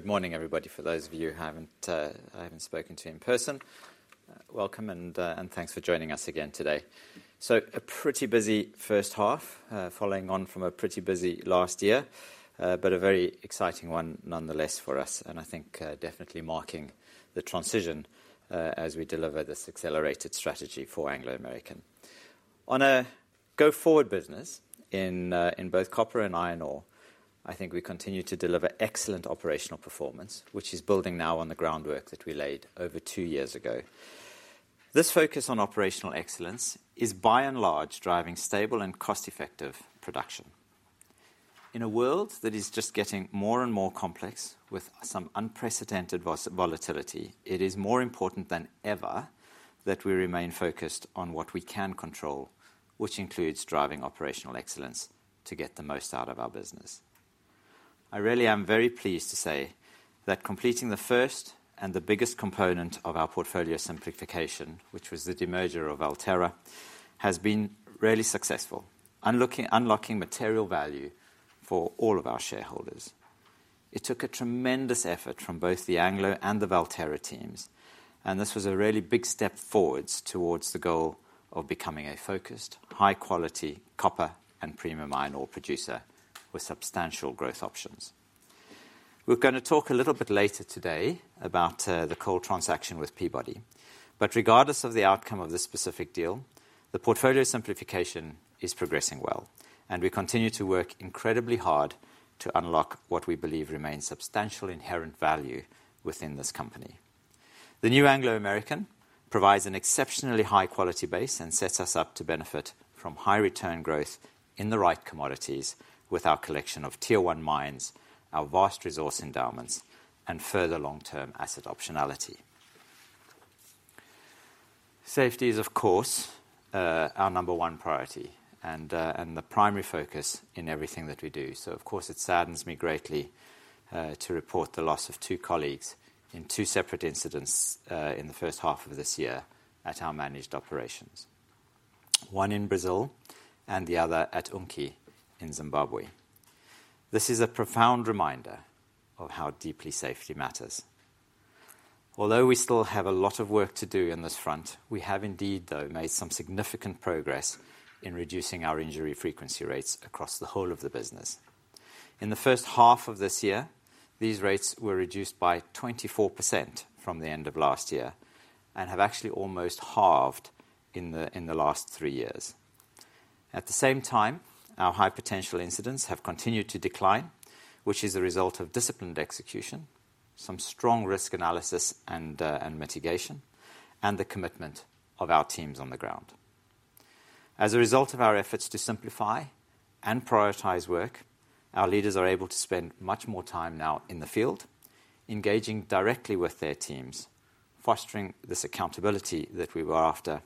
Good morning, everybody. For those of you who haven't spoken to you in person, welcome, and thanks for joining us again today. A pretty busy first half, following on from a pretty busy last year, but a very exciting one nonetheless for us, and I think definitely marking the transition as we deliver this accelerated strategy for Anglo American. On a go-forward business in both copper and iron ore, I think we continue to deliver excellent operational performance, which is building now on the groundwork that we laid over two years ago. This focus on operational excellence is, by and large, driving stable and cost-effective production. In a world that is just getting more and more complex, with some unprecedented volatility, it is more important than ever that we remain focused on what we can control, which includes driving operational excellence to get the most out of our business. I really am very pleased to say that completing the first and the biggest component of our portfolio simplification, which was the demerger of Valterra, has been really successful, unlocking material value for all of our shareholders. It took a tremendous effort from both the Anglo American and the Valterra teams, and this was a really big step forward towards the goal of becoming a focused, high-quality copper and premium iron ore producer with substantial growth options. We're going to talk a little bit later today about the coal transaction with Peabody, but regardless of the outcome of this specific deal, the portfolio simplification is progressing well, and we continue to work incredibly hard to unlock what we believe remains substantial inherent value within this company. The new Anglo American provides an exceptionally high-quality base and sets us up to benefit from high-return growth in the right commodities with our collection of tier-one mines, our vast resource endowments, and further long-term asset optionality. Safety is, of course, our number one priority and the primary focus in everything that we do. Of course, it saddens me greatly to report the loss of two colleagues in two separate incidents in the first half of this year at our managed operations, one in Brazil and the other at Unki in Zimbabwe. This is a profound reminder of how deeply safety matters. Although we still have a lot of work to do on this front, we have indeed, though, made some significant progress in reducing our injury frequency rates across the whole of the business. In the first half of this year, these rates were reduced by 24% from the end of last year and have actually almost halved in the last three years. At the same time, our high-potential incidents have continued to decline, which is a result of disciplined execution, some strong risk analysis and mitigation, and the commitment of our teams on the ground. As a result of our efforts to simplify and prioritize work, our leaders are able to spend much more time now in the field, engaging directly with their teams, fostering this accountability that we were after,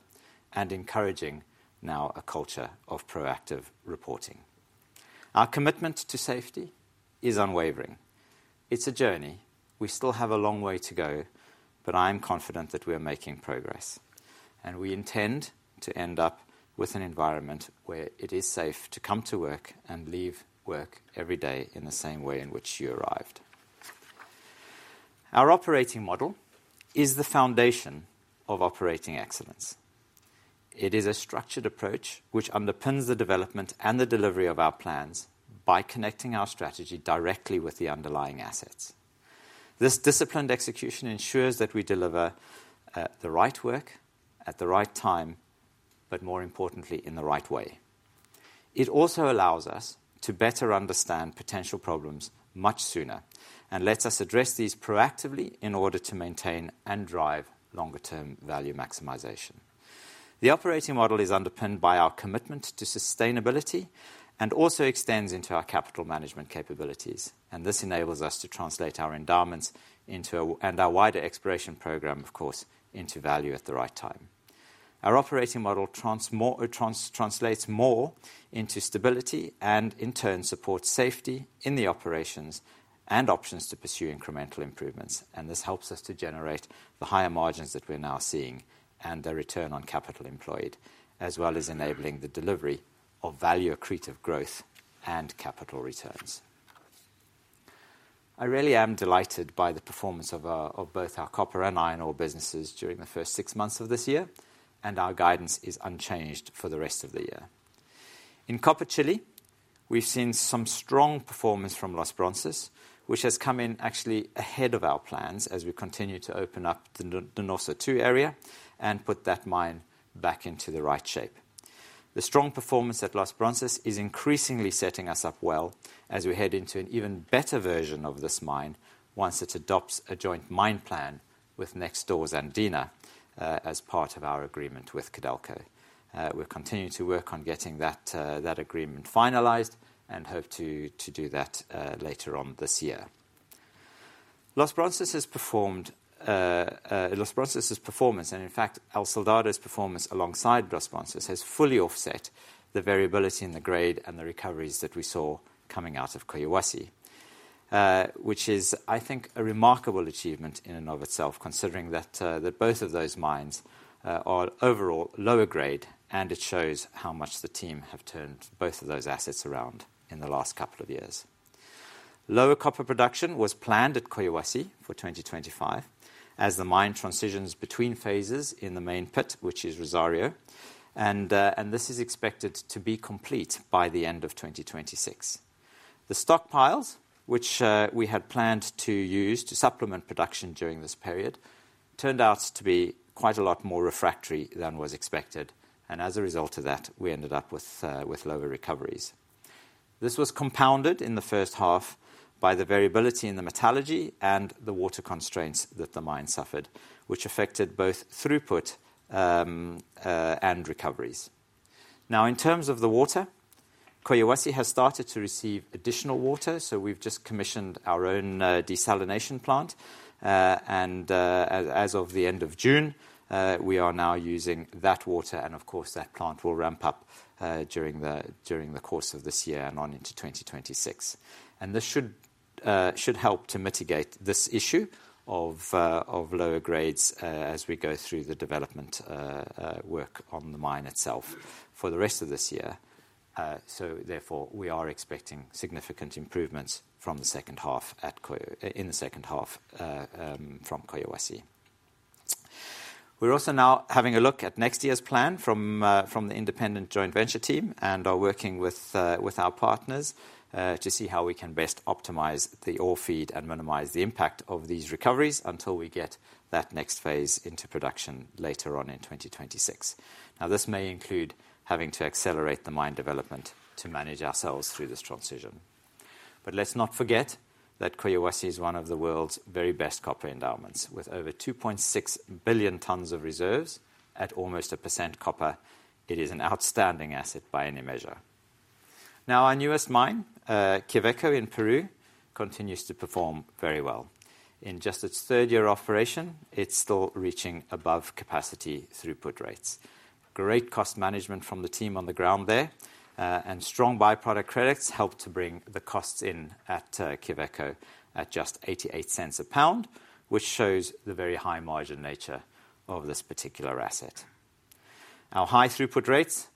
and encouraging now a culture of proactive reporting. Our commitment to safety is unwavering. It's a journey. We still have a long way to go, but I am confident that we are making progress, and we intend to end up with an environment where it is safe to come to work and leave work every day in the same way in which you arrived. Our operating model is the foundation of operating excellence. It is a structured approach which underpins the development and the delivery of our plans by connecting our strategy directly with the underlying assets. This disciplined execution ensures that we deliver the right work at the right time, but more importantly, in the right way. It also allows us to better understand potential problems much sooner and lets us address these proactively in order to maintain and drive longer-term value maximization. The operating model is underpinned by our commitment to sustainability and also extends into our capital management capabilities, and this enables us to translate our endowments and our wider exploration program, of course, into value at the right time. Our operating model translates more into stability and, in turn, supports safety in the operations and options to pursue incremental improvements, and this helps us to generate the higher margins that we're now seeing and the return on capital employed, as well as enabling the delivery of value-accretive growth and capital returns. I really am delighted by the performance of both our copper and iron ore businesses during the first six months of this year, and our guidance is unchanged for the rest of the year. In Copper Chile, we've seen some strong performance from Los Bronces, which has come in actually ahead of our plans as we continue to open up the Nosa II area and put that mine back into the right shape. The strong performance at Los Bronces is increasingly setting us up well as we head into an even better version of this mine once it adopts a joint mine plan with next doors and Andina as part of our agreement with Codelco. We're continuing to work on getting that agreement finalized and hope to do that later on this year. Los Bronces's performance, and in fact, El Soldado's performance alongside Los Bronces, has fully offset the variability in the grade and the recoveries that we saw coming out of Collahuasi, which is, I think, a remarkable achievement in and of itself, considering that both of those mines are overall lower grade, and it shows how much the team have turned both of those assets around in the last couple of years. Lower copper production was planned at Collahuasi for 2025 as the mine transitions between phases in the main pit, which is Rosario, and this is expected to be complete by the end of 2026. The stockpiles, which we had planned to use to supplement production during this period, turned out to be quite a lot more refractory than was expected, and as a result of that, we ended up with lower recoveries. This was compounded in the first half by the variability in the metallurgy and the water constraints that the mine suffered, which affected both throughput and recoveries. Now, in terms of the water, Collahuasi has started to receive additional water, so we've just commissioned our own desalination plant, and as of the end of June, we are now using that water, and of course, that plant will ramp up during the course of this year and on into 2026. This should help to mitigate this issue of lower grades as we go through the development work on the mine itself for the rest of this year. Therefore, we are expecting significant improvements in the second half from Collahuasi. We're also now having a look at next year's plan from the independent joint venture team and are working with our partners to see how we can best optimize the ore feed and minimize the impact of these recoveries until we get that next phase into production later on in 2026. This may include having to accelerate the mine development to manage ourselves through this transition. Let's not forget that Collahuasi is one of the world's very best copper endowments. With over 2.6 billion tons of reserves at almost 1% copper, it is an outstanding asset by any measure. Now, our newest mine, Quellaveco in Peru, continues to perform very well. In just its third year of operation, it's still reaching above capacity throughput rates. Great cost management from the team on the ground there, and strong byproduct credits help to bring the costs in at Quellaveco at just $0.88 a pound, which shows the very high margin nature of this particular asset. Our high throughput rates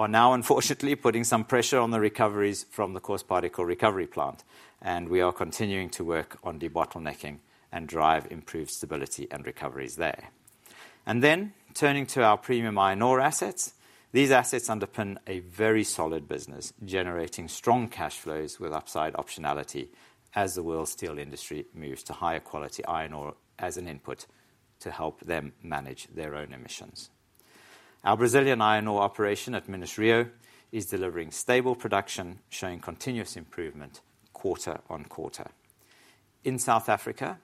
are now, unfortunately, putting some pressure on the recoveries from the Coarse Particle Recovery Plant, and we are continuing to work on debottlenecking and drive improved stability and recoveries there. Turning to our premium iron ore assets, these assets underpin a very solid business, generating strong cash flows with upside optionality as the world steel industry moves to higher quality iron ore as an input to help them manage their own emissions. Our Brazilian iron ore operation at Minas-Rio is delivering stable production, showing continuous improvement quarter on quarter. In South Africa,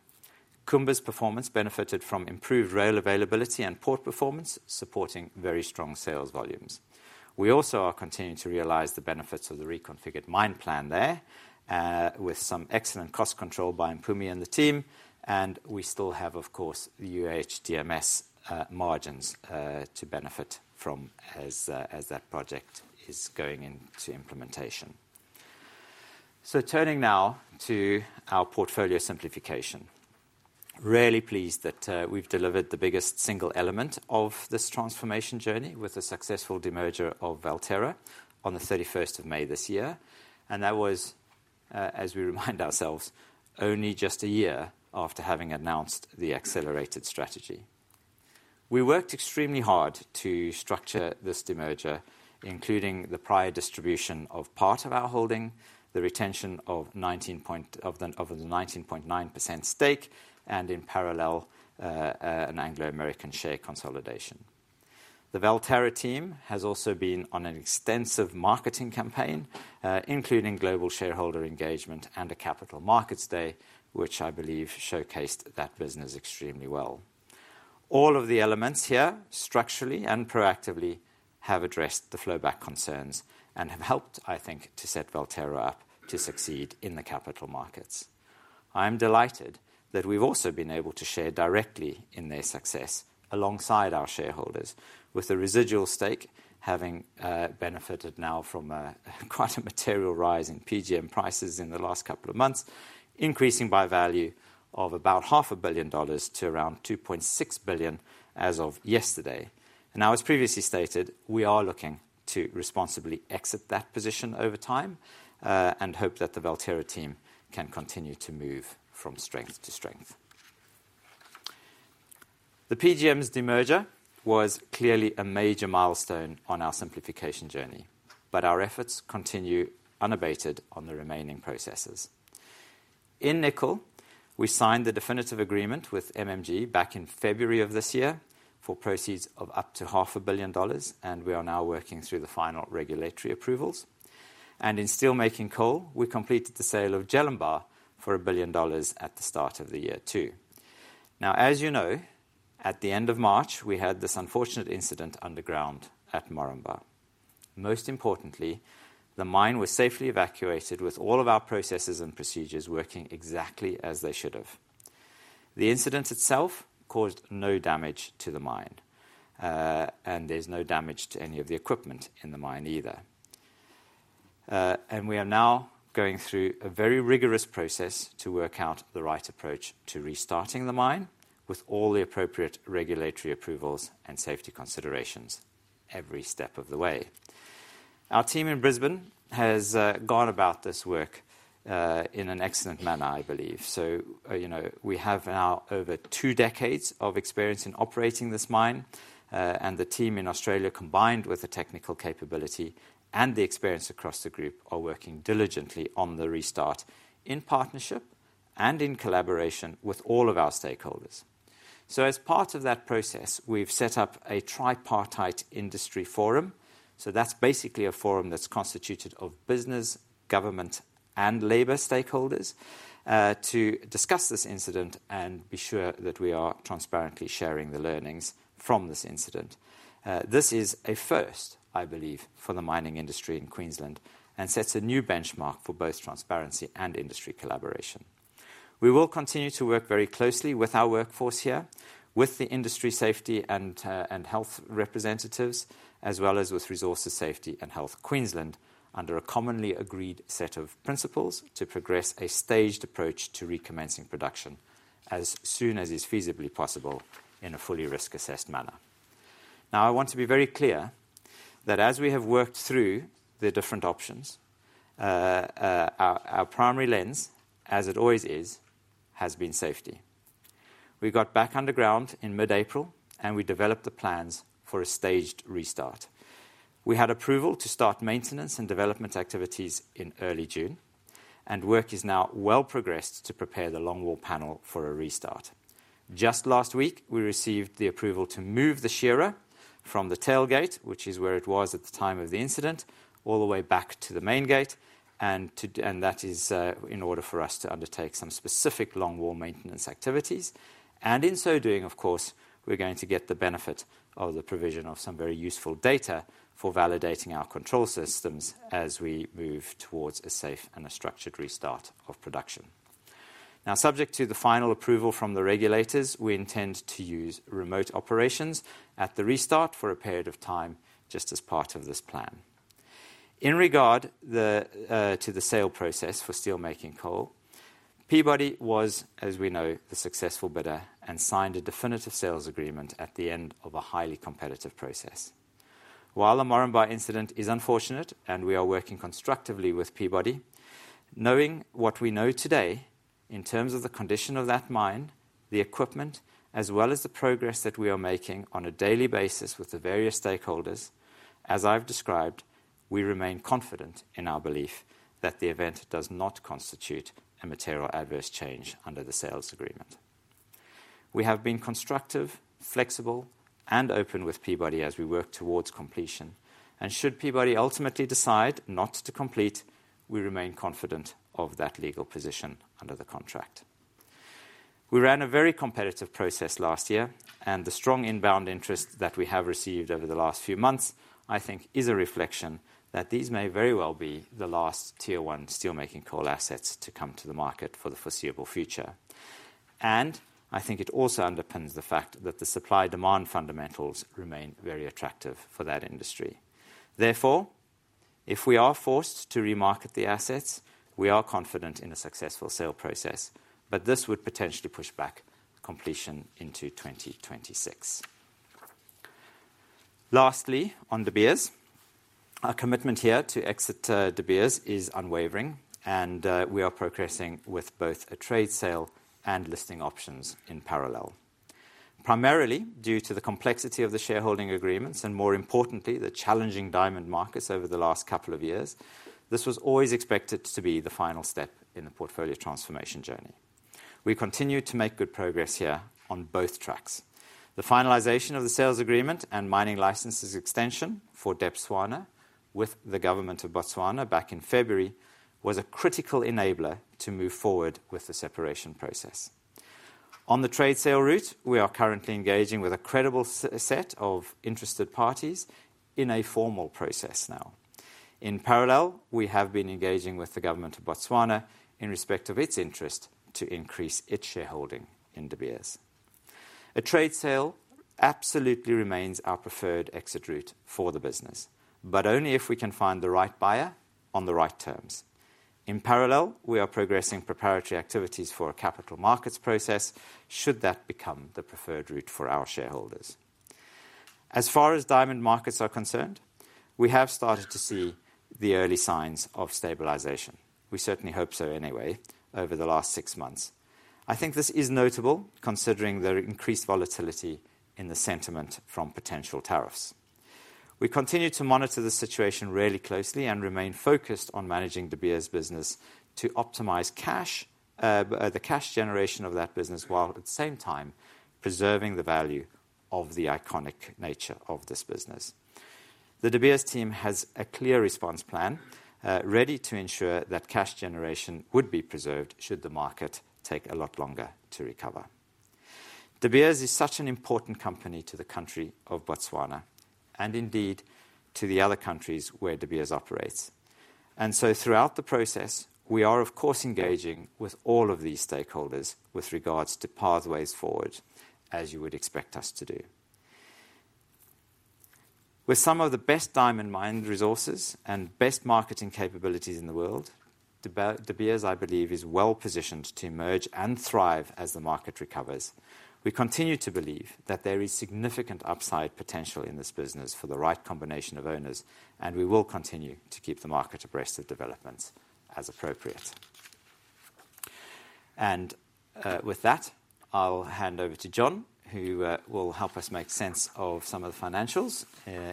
Kumba's performance benefited from improved rail availability and port performance, supporting very strong sales volumes. We also are continuing to realize the benefits of the reconfigured mine plan there, with some excellent cost control by Mpumi and the team, and we still have, of course, the UHDMS margins to benefit from as that project is going into implementation. Turning now to our portfolio simplification. Really pleased that we've delivered the biggest single element of this transformation journey with the successful demerger of Valterra on the 31st of May this year. As we remind ourselves, only just a year after having announced the accelerated strategy. We worked extremely hard to structure this demerger, including the prior distribution of part of our holding, the retention of the 19.9% stake, and in parallel, an Anglo American share consolidation. The Valterra team has also been on an extensive marketing campaign, including global shareholder engagement and a capital markets day, which I believe showcased that business extremely well. All of the elements here, structurally and proactively, have addressed the flowback concerns and have helped, I think, to set Valterra up to succeed in the capital markets. I am delighted that we've also been able to share directly in their success alongside our shareholders, with the residual stake having benefited now from quite a material rise in PGM prices in the last couple of months, increasing by value of about $0.5 billion to around $2.6 billion as of yesterday. As previously stated, we are looking to responsibly exit that position over time and hope that the Valterra team can continue to move from strength to strength. The PGMs demerger was clearly a major milestone on our simplification journey, but our efforts continue unabated on the remaining processes. In nickel, we signed the definitive agreement with MMG back in February of this year for proceeds of up to $0.5 billion, and we are now working through the final regulatory approvals. In steelmaking coal, we completed the sale of Jelambar for $1 billion at the start of the year too. At the end of March, we had this unfortunate incident underground at Morumba. Most importantly, the mine was safely evacuated with all of our processes and procedures working exactly as they should have. The incident itself caused no damage to the mine, and there's no damage to any of the equipment in the mine either. We are now going through a very rigorous process to work out the right approach to restarting the mine with all the appropriate regulatory approvals and safety considerations every step of the way. Our team in Brisbane has gone about this work in an excellent manner, I believe. We have now over two decades of experience in operating this mine, and the team in Australia, combined with the technical capability and the experience across the group, are working diligently on the restart in partnership and in collaboration with all of our stakeholders. As part of that process, we've set up a tripartite industry forum. That's basically a forum that's constituted of business, government, and labor stakeholders to discuss this incident and be sure that we are transparently sharing the learnings from this incident. This is a first, I believe, for the mining industry in Queensland and sets a new benchmark for both transparency and industry collaboration. We will continue to work very closely with our workforce here, with the industry safety and health representatives, as well as with Resources Safety and Health Queensland, under a commonly agreed set of principles to progress a staged approach to recommencing production as soon as is feasibly possible in a fully risk-assessed manner. I want to be very clear that as we have worked through the different options, our primary lens, as it always is, has been safety. We got back underground in mid-April, and we developed the plans for a staged restart. We had approval to start maintenance and development activities in early June, and work is now well progressed to prepare the long wall panel for a restart. Just last week, we received the approval to move the shearer from the tailgate, which is where it was at the time of the incident, all the way back to the main gate, and that is in order for us to undertake some specific long wall maintenance activities. In so doing, of course, we're going to get the benefit of the provision of some very useful data for validating our control systems as we move towards a safe and a structured restart of production. Subject to the final approval from the regulators, we intend to use remote operations at the restart for a period of time, just as part of this plan. In regard to the sale process for steelmaking coal, Peabody was, as we know, the successful bidder and signed a definitive sales agreement at the end of a highly competitive process. While the Morumba incident is unfortunate and we are working constructively with Peabody, knowing what we know today in terms of the condition of that mine, the equipment, as well as the progress that we are making on a daily basis with the various stakeholders, as I've described, we remain confident in our belief that the event does not constitute a material adverse change under the sales agreement. We have been constructive, flexible, and open with Peabody as we work towards completion, and should Peabody ultimately decide not to complete, we remain confident of that legal position under the contract. We ran a very competitive process last year, and the strong inbound interest that we have received over the last few months, I think, is a reflection that these may very well be the last tier one steelmaking coal assets to come to the market for the foreseeable future. I think it also underpins the fact that the supply-demand fundamentals remain very attractive for that industry. Therefore, if we are forced to remarket the assets, we are confident in a successful sale process, but this would potentially push back completion into 2026. Lastly, on De Beers. Our commitment here to exit De Beers is unwavering, and we are progressing with both a trade sale and listing options in parallel. Primarily due to the complexity of the shareholding agreements and, more importantly, the challenging diamond markets over the last couple of years, this was always expected to be the final step in the portfolio transformation journey. We continue to make good progress here on both tracks. The finalization of the sales agreement and mining licenses extension for Debswana with the government of Botswana back in February was a critical enabler to move forward with the separation process. On the trade sale route, we are currently engaging with a credible set of interested parties in a formal process now. In parallel, we have been engaging with the government of Botswana in respect of its interest to increase its shareholding in De Beers. A trade sale absolutely remains our preferred exit route for the business, but only if we can find the right buyer on the right terms. In parallel, we are progressing preparatory activities for a capital markets process should that become the preferred route for our shareholders. As far as diamond markets are concerned, we have started to see the early signs of stabilization. We certainly hope so anyway over the last six months. I think this is notable considering the increased volatility in the sentiment from potential tariffs. We continue to monitor the situation really closely and remain focused on managing De Beers business to optimize the cash generation of that business while at the same time preserving the value of the iconic nature of this business. The De Beers team has a clear response plan ready to ensure that cash generation would be preserved should the market take a lot longer to recover. De Beers is such an important company to the country of Botswana and indeed to the other countries where De Beers operates. Throughout the process, we are, of course, engaging with all of these stakeholders with regards to pathways forward, as you would expect us to do, with some of the best diamond mined resources and best marketing capabilities in the world. De Beers, I believe, is well positioned to emerge and thrive as the market recovers. We continue to believe that there is significant upside potential in this business for the right combination of owners, and we will continue to keep the market abreast of developments as appropriate. With that, I'll hand over to John, who will help us make sense of some of the financials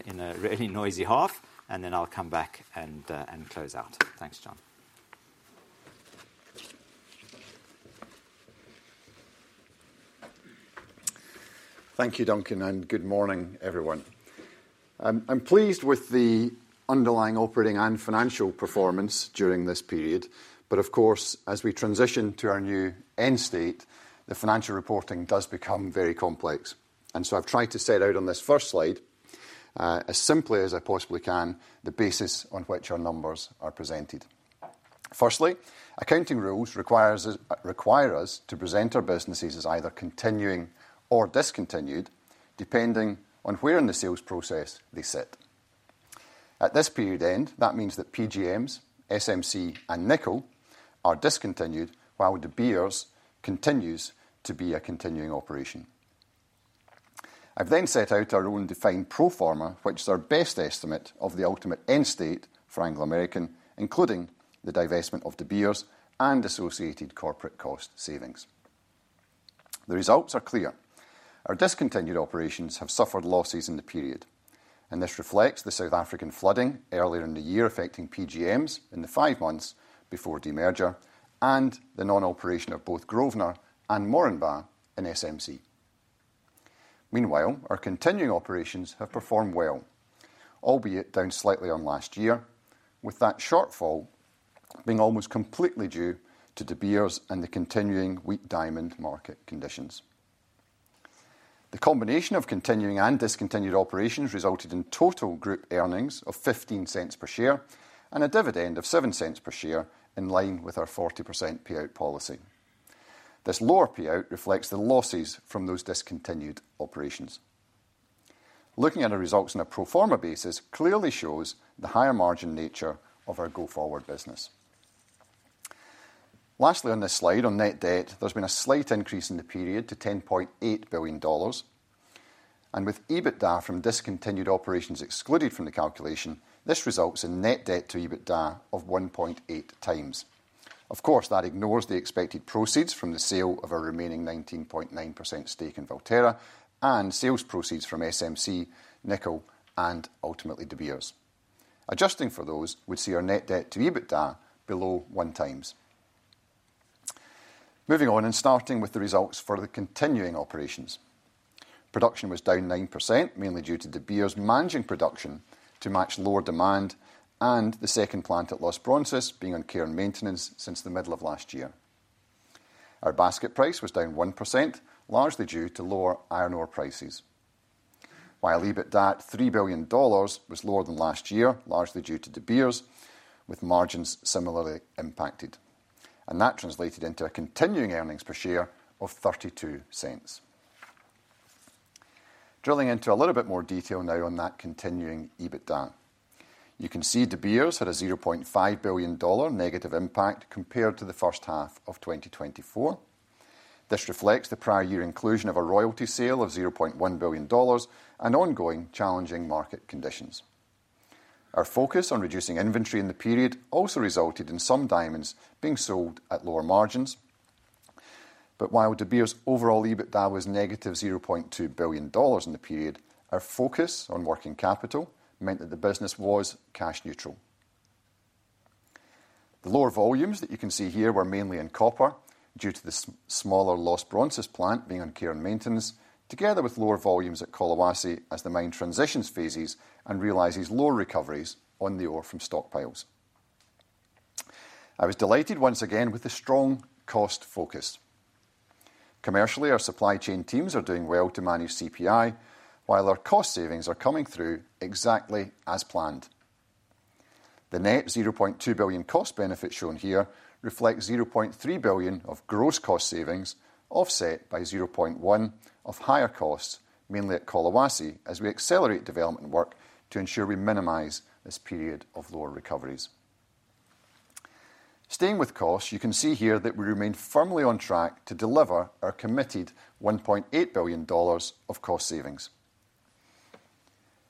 in a really noisy half, then I'll come back and close out. Thanks, John. Thank you, Duncan, and good morning, everyone. I'm pleased with the underlying operating and financial performance during this period, but of course, as we transition to our new end state, the financial reporting does become very complex. I've tried to set out on this first slide, as simply as I possibly can, the basis on which our numbers are presented. Firstly, accounting rules require us to present our businesses as either continuing or discontinued, depending on where in the sales process they sit. At this period end, that means that PGMs, SMC, and nickel are discontinued while De Beers continues to be a continuing operation. I've then set out our own defined pro forma, which is our best estimate of the ultimate end state for Anglo American, including the divestment of De Beers and associated corporate cost savings. The results are clear. Our discontinued operations have suffered losses in the period, and this reflects the South African flooding earlier in the year affecting PGMs in the five months before demerger and the non-operation of both Grosvenor and Morumba in SMC. Meanwhile, our continuing operations have performed well, albeit down slightly on last year, with that shortfall being almost completely due to De Beers and the continuing weak diamond market conditions. The combination of continuing and discontinued operations resulted in total group earnings of $0.15 per share and a dividend of $0.07 per share in line with our 40% payout policy. This lower payout reflects the losses from those discontinued operations. Looking at our results on a pro forma basis clearly shows the higher margin nature of our go-forward business. Lastly, on this slide on net debt, there's been a slight increase in the period to $10.8 billion. With EBITDA from discontinued operations excluded from the calculation, this results in net debt to EBITDA of 1.8 times. Of course, that ignores the expected proceeds from the sale of our remaining 19.9% stake in Valterra and sales proceeds from SMC, nickel, and ultimately De Beers. Adjusting for those would see our net debt to EBITDA below one times. Moving on and starting with the results for the continuing operations. Production was down 9%, mainly due to De Beers managing production to match lower demand and the second plant at Los Bronces being on care and maintenance since the middle of last year. Our basket price was down 1%, largely due to lower iron ore prices. While EBITDA at $3 billion was lower than last year, largely due to De Beers, with margins similarly impacted. That translated into a continuing earnings per share of $0.32. Drilling into a little bit more detail now on that continuing EBITDA, you can see De Beers had a $0.5 billion negative impact compared to the first half of 2024. This reflects the prior year inclusion of a royalty sale of $0.1 billion and ongoing challenging market conditions. Our focus on reducing inventory in the period also resulted in some diamonds being sold at lower margins. While De Beers' overall EBITDA was negative $0.2 billion in the period, our focus on working capital meant that the business was cash neutral. The lower volumes that you can see here were mainly in copper due to the smaller Los Bronces plant being on care and maintenance, together with lower volumes at El Soldado as the mine transitions phases and realizes lower recoveries on the ore from stockpiles. I was delighted once again with the strong cost focus. Commercially, our supply chain teams are doing well to manage CPI, while our cost savings are coming through exactly as planned. The net $0.2 billion cost benefit shown here reflects $0.3 billion of gross cost savings offset by $0.1 billion of higher costs, mainly at El Soldado, as we accelerate development work to ensure we minimize this period of lower recoveries. Staying with costs, you can see here that we remain firmly on track to deliver our committed $1.8 billion of cost savings.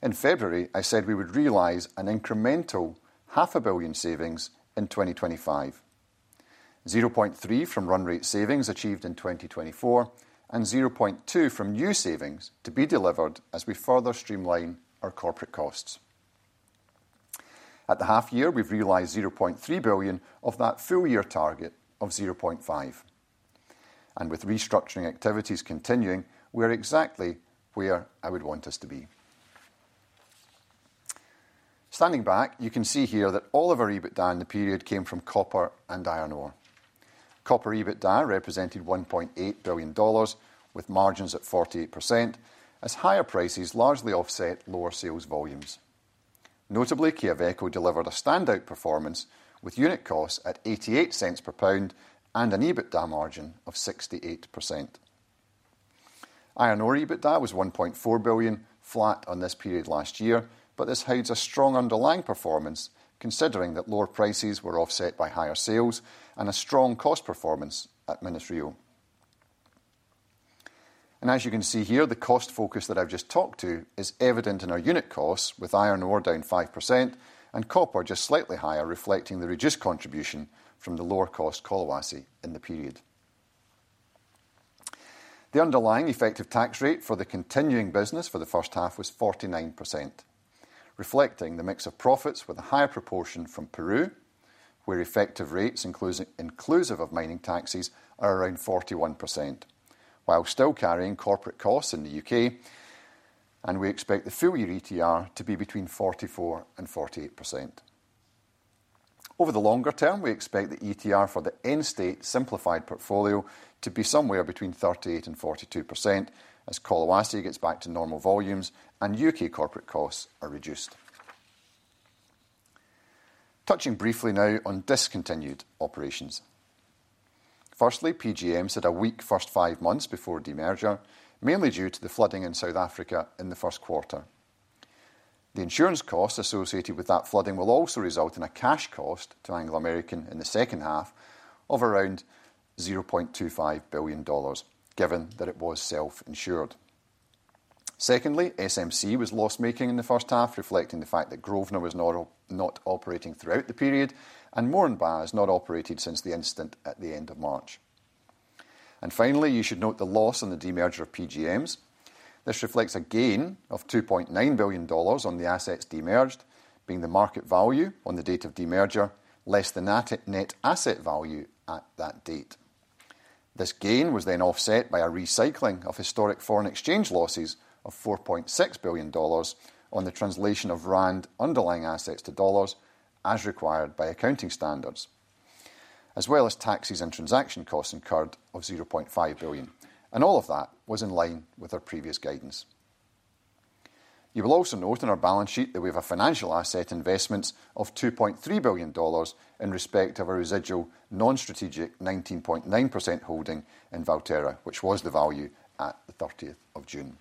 In February, I said we would realize an incremental $0.5 billion savings in 2025, $0.3 billion from run rate savings achieved in 2024 and $0.2 billion from new savings to be delivered as we further streamline our corporate costs. At the half year, we've realized $0.3 billion of that full year target of $0.5 billion. With restructuring activities continuing, we're exactly where I would want us to be. Standing back, you can see here that all of our EBITDA in the period came from copper and iron ore. Copper EBITDA represented $1.8 billion with margins at 48%, as higher prices largely offset lower sales volumes. Notably, Quellaveco delivered a standout performance with unit costs at $0.88 per pound and an EBITDA margin of 68%. Iron ore EBITDA was $1.4 billion, flat on this period last year, but this hides a strong underlying performance considering that lower prices were offset by higher sales and a strong cost performance at Minas-Rio. As you can see here, the cost focus that I've just talked to is evident in our unit costs with iron ore down 5% and copper just slightly higher, reflecting the reduced contribution from the lower cost Colowassee in the period. The underlying effective tax rate for the continuing business for the first half was 49%, reflecting the mix of profits with a higher proportion from Peru, where effective rates inclusive of mining taxes are around 41%, while still carrying corporate costs in the U.K. We expect the full year ETR to be between 44% and 48%. Over the longer term, we expect the ETR for the end state simplified portfolio to be somewhere between 38% and 42% as Collahuasi gets back to normal volumes and U.K. corporate costs are reduced. Touching briefly now on discontinued operations. Firstly, PGMs had a weak first five months before demerger, mainly due to the flooding in South Africa in the first quarter. The insurance cost associated with that flooding will also result in a cash cost to Anglo American in the second half of around $0.25 billion, given that it was self-insured. Secondly, SMC was loss-making in the first half, reflecting the fact that Grosvenor was not operating throughout the period and Morumba has not operated since the incident at the end of March. You should note the loss in the demerger of PGMs. This reflects a gain of $2.9 billion on the assets demerged, being the market value on the date of demerger less the net asset value at that date. This gain was then offset by a recycling of historic foreign exchange losses of $4.6 billion on the translation of Rand underlying assets to dollars as required by accounting standards, as well as taxes and transaction costs incurred of $0.5 billion. All of that was in line with our previous guidance. You will also note in our balance sheet that we have a financial asset investment of $2.3 billion in respect of a residual non-strategic 19.9% holding in Valterra, which was the value at the 30th of June.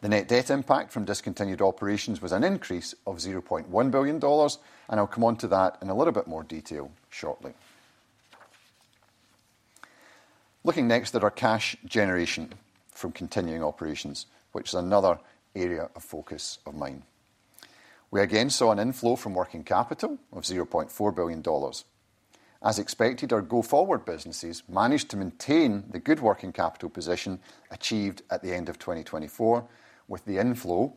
The net debt impact from discontinued operations was an increase of $0.1 billion, and I'll come on to that in a little bit more detail shortly. Looking next at our cash generation from continuing operations, which is another area of focus of mine. We again saw an inflow from working capital of $0.4 billion. As expected, our go-forward businesses managed to maintain the good working capital position achieved at the end of 2024, with the inflow.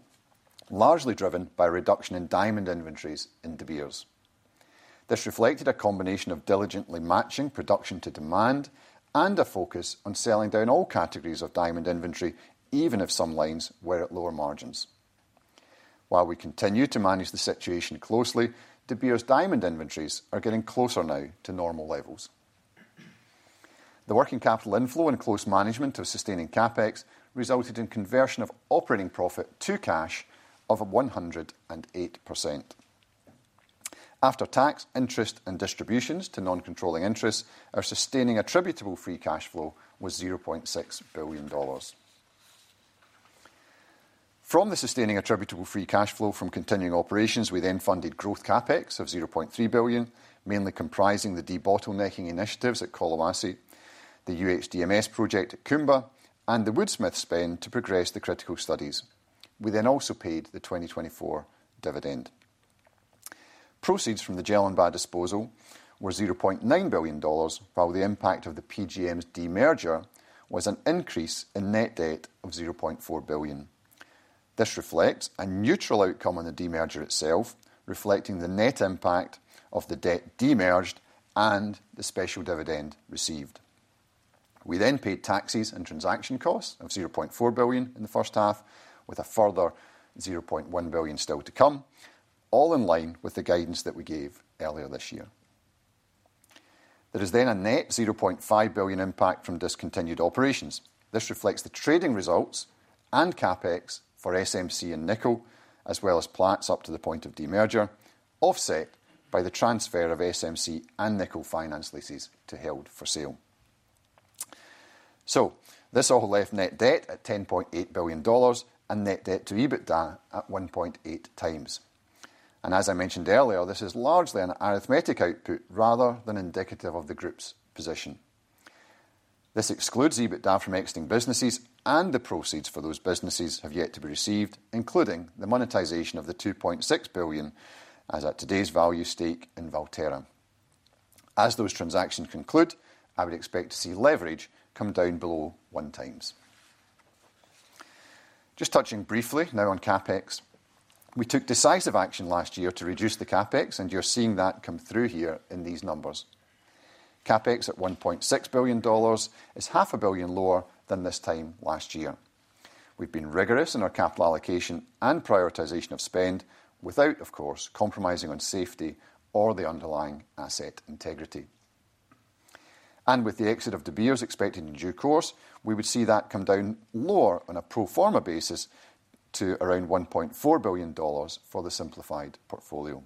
Largely driven by a reduction in diamond inventories in De Beers. This reflected a combination of diligently matching production to demand and a focus on selling down all categories of diamond inventory, even if some lines were at lower margins. While we continue to manage the situation closely, De Beers' diamond inventories are getting closer now to normal levels. The working capital inflow and close management of sustaining CapEx resulted in conversion of operating profit to cash of 108%. After tax, interest, and distributions to non-controlling interests, our sustaining attributable free cash flow was $0.6 billion. From the sustaining attributable free cash flow from continuing operations, we then funded growth CapEx of $0.3 billion, mainly comprising the de-bottlenecking initiatives at Collahuasi, the UHDMS project at Kumba, and the Woodsmith spend to progress the critical studies. We then also paid the 2024 dividend. Proceeds from the GelnBai disposal were $0.9 billion, while the impact of the PGMs demerger was an increase in net debt of $0.4 billion. This reflects a neutral outcome on the demerger itself, reflecting the net impact of the debt demerged and the special dividend received. We then paid taxes and transaction costs of $0.4 billion in the first half, with a further $0.1 billion still to come, all in line with the guidance that we gave earlier this year. There is then a net $0.5 billion impact from discontinued operations. This reflects the trading results and CapEx for SMC and nickel, as well as plants up to the point of demerger, offset by the transfer of SMC and nickel finance leases to held for sale. This all left net debt at $10.8 billion and net debt to EBITDA at 1.8 times. As I mentioned earlier, this is largely an arithmetic output rather than indicative of the group's position. This excludes EBITDA from existing businesses, and the proceeds for those businesses have yet to be received, including the monetization of the $2.6 billion as at today's value stake in Valterra. As those transactions conclude, I would expect to see leverage come down below one times. Just touching briefly now on CapEx, we took decisive action last year to reduce the CapEx, and you're seeing that come through here in these numbers. CapEx at $1.6 billion is half a billion lower than this time last year. We've been rigorous in our capital allocation and prioritization of spend without, of course, compromising on safety or the underlying asset integrity. With the exit of De Beers expected in due course, we would see that come down lower on a pro forma basis to around $1.4 billion for the simplified portfolio.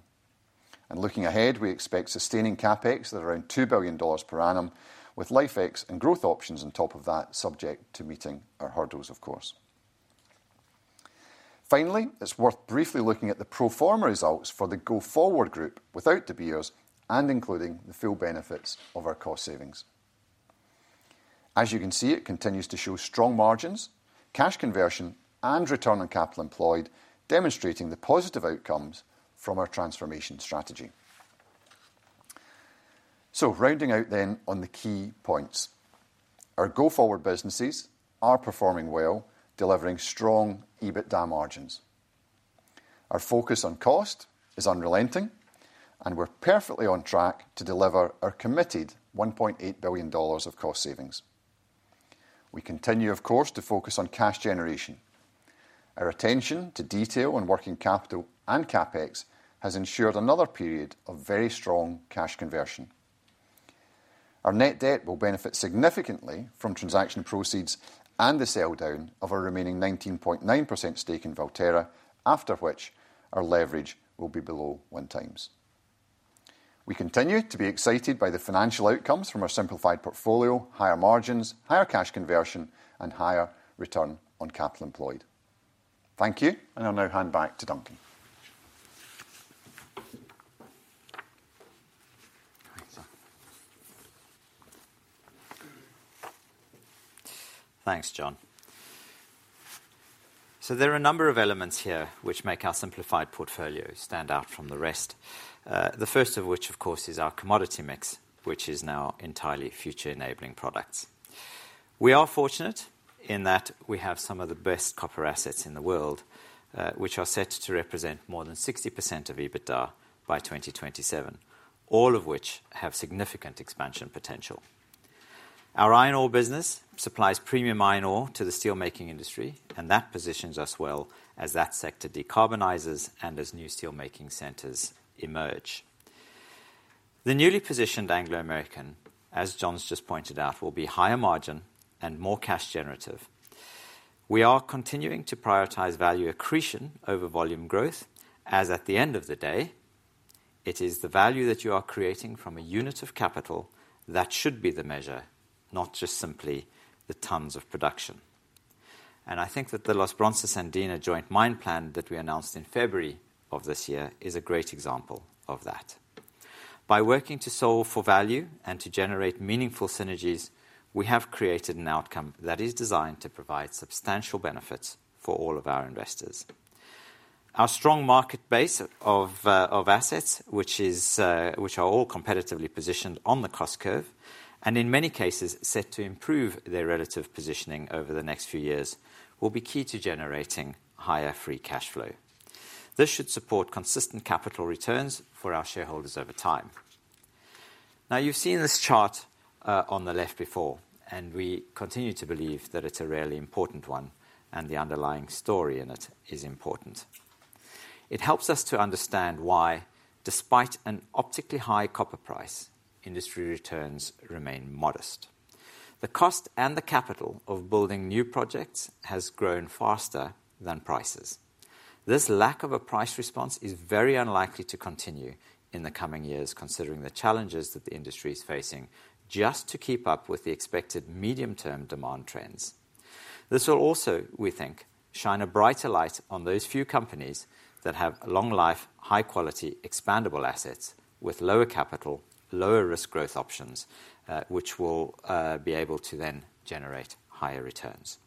Looking ahead, we expect sustaining CapEx at around $2 billion per annum, with life exp and growth options on top of that subject to meeting our hurdles, of course. Finally, it's worth briefly looking at the pro forma results for the go-forward group without De Beers and including the full benefits of our cost savings. As you can see, it continues to show strong margins, cash conversion, and return on capital employed, demonstrating the positive outcomes from our transformation strategy. Rounding out then on the key points, our go-forward businesses are performing well, delivering strong EBITDA margins. Our focus on cost is unrelenting, and we're perfectly on track to deliver our committed $1.8 billion of cost savings. We continue, of course, to focus on cash generation. Our attention to detail on working capital and CapEx has ensured another period of very strong cash conversion. Our net debt will benefit significantly from transaction proceeds and the sell down of our remaining 19.9% stake in Valterra, after which our leverage will be below one times. We continue to be excited by the financial outcomes from our simplified portfolio: higher margins, higher cash conversion, and higher return on capital employed. Thank you, and I'll now hand back to Duncan. Thanks, John. There are a number of elements here which make our simplified portfolio stand out from the rest. The first of which, of course, is our commodity mix, which is now entirely future enabling products. We are fortunate in that we have some of the best copper assets in the world, which are set to represent more than 60% of EBITDA by 2027, all of which have significant expansion potential. Our iron ore business supplies premium iron ore to the steelmaking industry, and that positions us well as that sector decarbonizes and as new steelmaking centers emerge. The newly positioned Anglo American, as John's just pointed out, will be higher margin and more cash generative. We are continuing to prioritize value accretion over volume growth, as at the end of the day. It is the value that you are creating from a unit of capital that should be the measure, not just simply the tons of production. I think that the Los Bronces and Andina joint mine plan that we announced in February of this year is a great example of that. By working to solve for value and to generate meaningful synergies, we have created an outcome that is designed to provide substantial benefits for all of our investors. Our strong market base of assets, which are all competitively positioned on the cost curve and in many cases set to improve their relative positioning over the next few years, will be key to generating higher free cash flow. This should support consistent capital returns for our shareholders over time. You've seen this chart on the left before, and we continue to believe that it's a really important one, and the underlying story in it is important. It helps us to understand why, despite an optically high copper price, industry returns remain modest. The cost and the capital of building new projects has grown faster than prices. This lack of a price response is very unlikely to continue in the coming years, considering the challenges that the industry is facing just to keep up with the expected medium-term demand trends. This will also, we think, shine a brighter light on those few companies that have long-life, high-quality, expandable assets with lower capital, lower risk growth options, which will be able to then generate higher returns.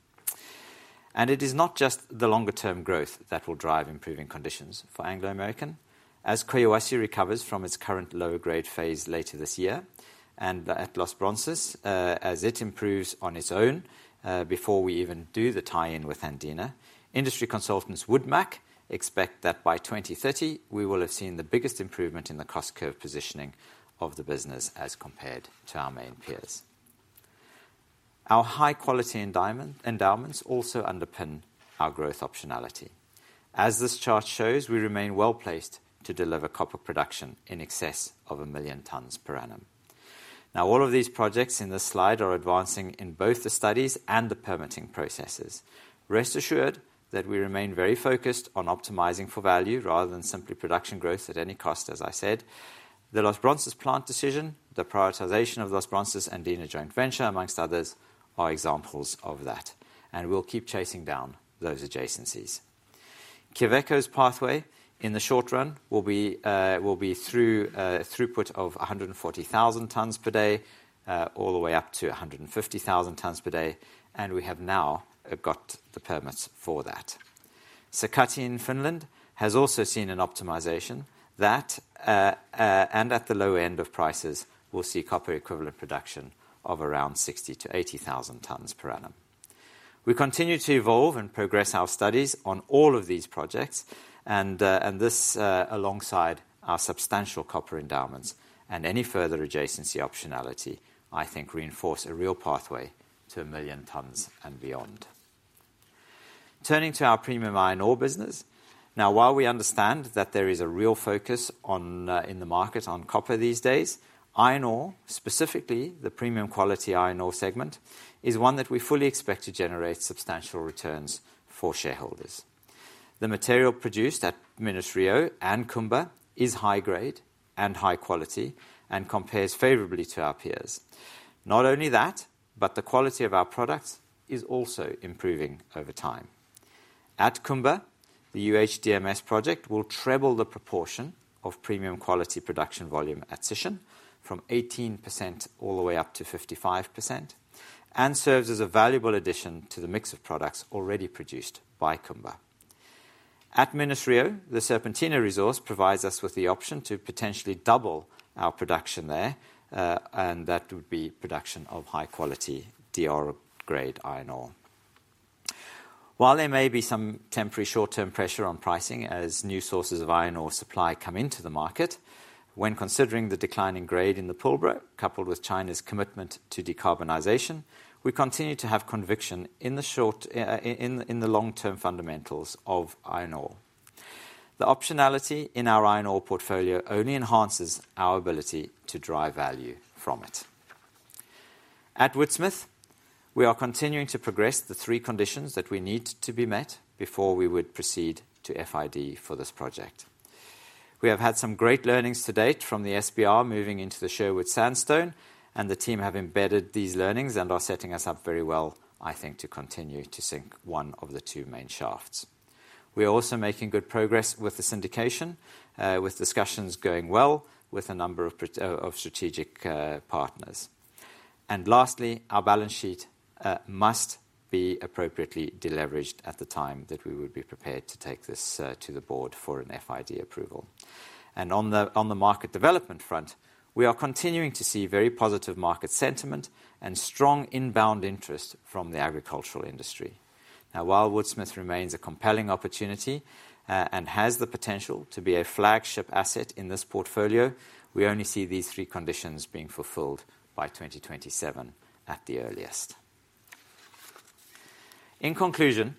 It is not just the longer-term growth that will drive improving conditions for Anglo American. As Quellaveco recovers from its current lower-grade phase later this year and at Los Bronces, as it improves on its own before we even do the tie-in with Andina, industry consultants would expect that by 2030, we will have seen the biggest improvement in the cost curve positioning of the business as compared to our main peers. Our high-quality endowments also underpin our growth optionality. As this chart shows, we remain well placed to deliver copper production in excess of a million tons per annum. All of these projects in this slide are advancing in both the studies and the permitting processes. Rest assured that we remain very focused on optimizing for value rather than simply production growth at any cost, as I said. The Los Bronces plant decision, the prioritization of Los Bronces and Andina Joint Venture, amongst others, are examples of that, and we'll keep chasing down those adjacencies. Quellaveco's pathway in the short run will be through a throughput of 140,000 tons per day, all the way up to 150,000 tons per day, and we have now got the permits for that. Sakatti in Finland has also seen an optimization. At the low end of prices, we'll see copper equivalent production of around 60,000 to 80,000 tons per annum. We continue to evolve and progress our studies on all of these projects, and this alongside our substantial copper endowments and any further adjacency optionality, I think, reinforce a real pathway to a million tons and beyond. Turning to our premium iron ore business, while we understand that there is a real focus in the market on copper these days, iron ore, specifically the premium quality iron ore segment, is one that we fully expect to generate substantial returns for shareholders. The material produced at Minas-Rio and Kumba is high-grade and high quality and compares favorably to our peers. Not only that, but the quality of our products is also improving over time. At Kumba, the UHDMS project will treble the proportion of premium quality production volume at Sishen from 18% all the way up to 55% and serves as a valuable addition to the mix of products already produced by Kumba. At Minas-Rio, the Serpentina resource provides us with the option to potentially double our production there, and that would be production of high-quality DR-grade iron ore. While there may be some temporary short-term pressure on pricing as new sources of iron ore supply come into the market, when considering the declining grade in the Pilbara coupled with China's commitment to decarbonization, we continue to have conviction in the long-term fundamentals of iron ore. The optionality in our iron ore portfolio only enhances our ability to drive value from it. At Woodsmith, we are continuing to progress the three conditions that we need to be met before we would proceed to FID for this project. We have had some great learnings to date from the SBR moving into the shaft with Sandstone, and the team have embedded these learnings and are setting us up very well, I think, to continue to sink one of the two main shafts. We are also making good progress with the syndication, with discussions going well with a number of strategic partners. Lastly, our balance sheet must be appropriately deleveraged at the time that we would be prepared to take this to the board for an FID approval. On the market development front, we are continuing to see very positive market sentiment and strong inbound interest from the agricultural industry. While Woodsmith remains a compelling opportunity and has the potential to be a flagship asset in this portfolio, we only see these three conditions being fulfilled by 2027 at the earliest. In conclusion,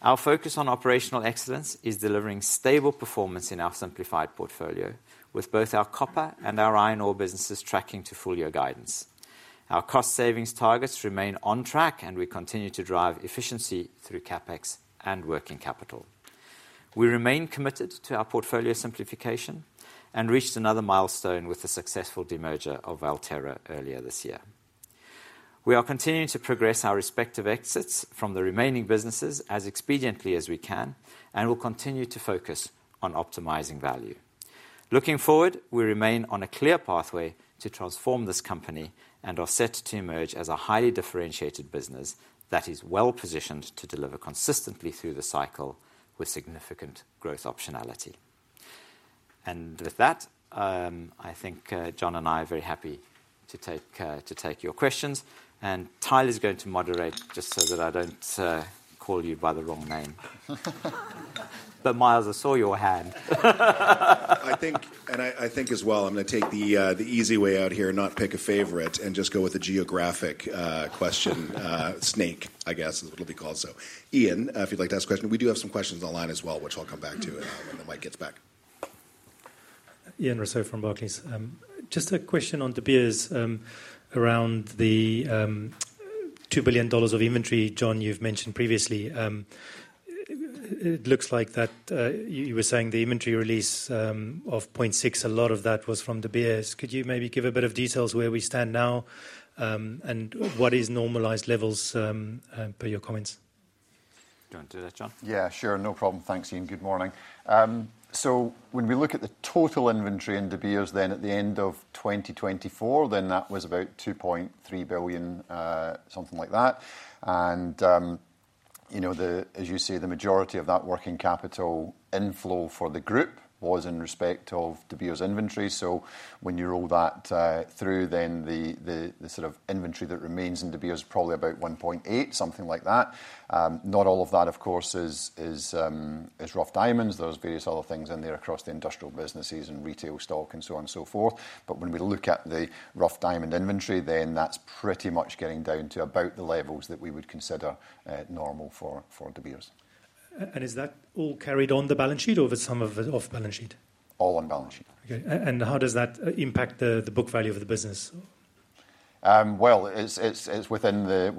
our focus on operational excellence is delivering stable performance in our simplified portfolio, with both our copper and our iron ore businesses tracking to full year guidance. Our cost savings targets remain on track, and we continue to drive efficiency through CapEx and working capital. We remain committed to our portfolio simplification and reached another milestone with the successful demerger of Valterra earlier this year. We are continuing to progress our respective exits from the remaining businesses as expediently as we can and will continue to focus on optimizing value. Looking forward, we remain on a clear pathway to transform this company and are set to emerge as a highly differentiated business that is well positioned to deliver consistently through the cycle with significant growth optionality. With that, I think John and I are very happy to take your questions. Tyler is going to moderate just so that I don't call you by the wrong name. Miles, I saw your hand. I think, and I think as well, I'm going to take the easy way out here and not pick a favorite and just go with the geographic question snake, I guess, as it'll be called. Ian, if you'd like to ask a question, we do have some questions online as well, which I'll come back to when the mic gets back. Ian, Russell from Barclays. Just a question on De Beers around the $2 billion of inventory, John, you've mentioned previously. It looks like you were saying the inventory release of $0.6 billion, a lot of that was from De Beers. Could you maybe give a bit of details where we stand now and what is normalized levels per your comments? Do you want to do that, John? Yeah, sure. No problem. Thanks, Ian. Good morning. When we look at the total inventory in De Beers at the end of 2024, that was about $2.3 billion, something like that. As you say, the majority of that working capital inflow for the group was in respect of De Beers inventory. When you roll that through, the sort of inventory that remains in De Beers is probably about $1.8 billion, something like that. Not all of that, of course, is rough diamonds. There are various other things in there across the industrial businesses and retail stock and so on and so forth. When we look at the rough diamond inventory, that's pretty much getting down to about the levels that we would consider normal for De Beers. Is that all carried on the balance sheet or some of it off balance sheet? All on balance sheet. How does that impact the book value of the business? It's within the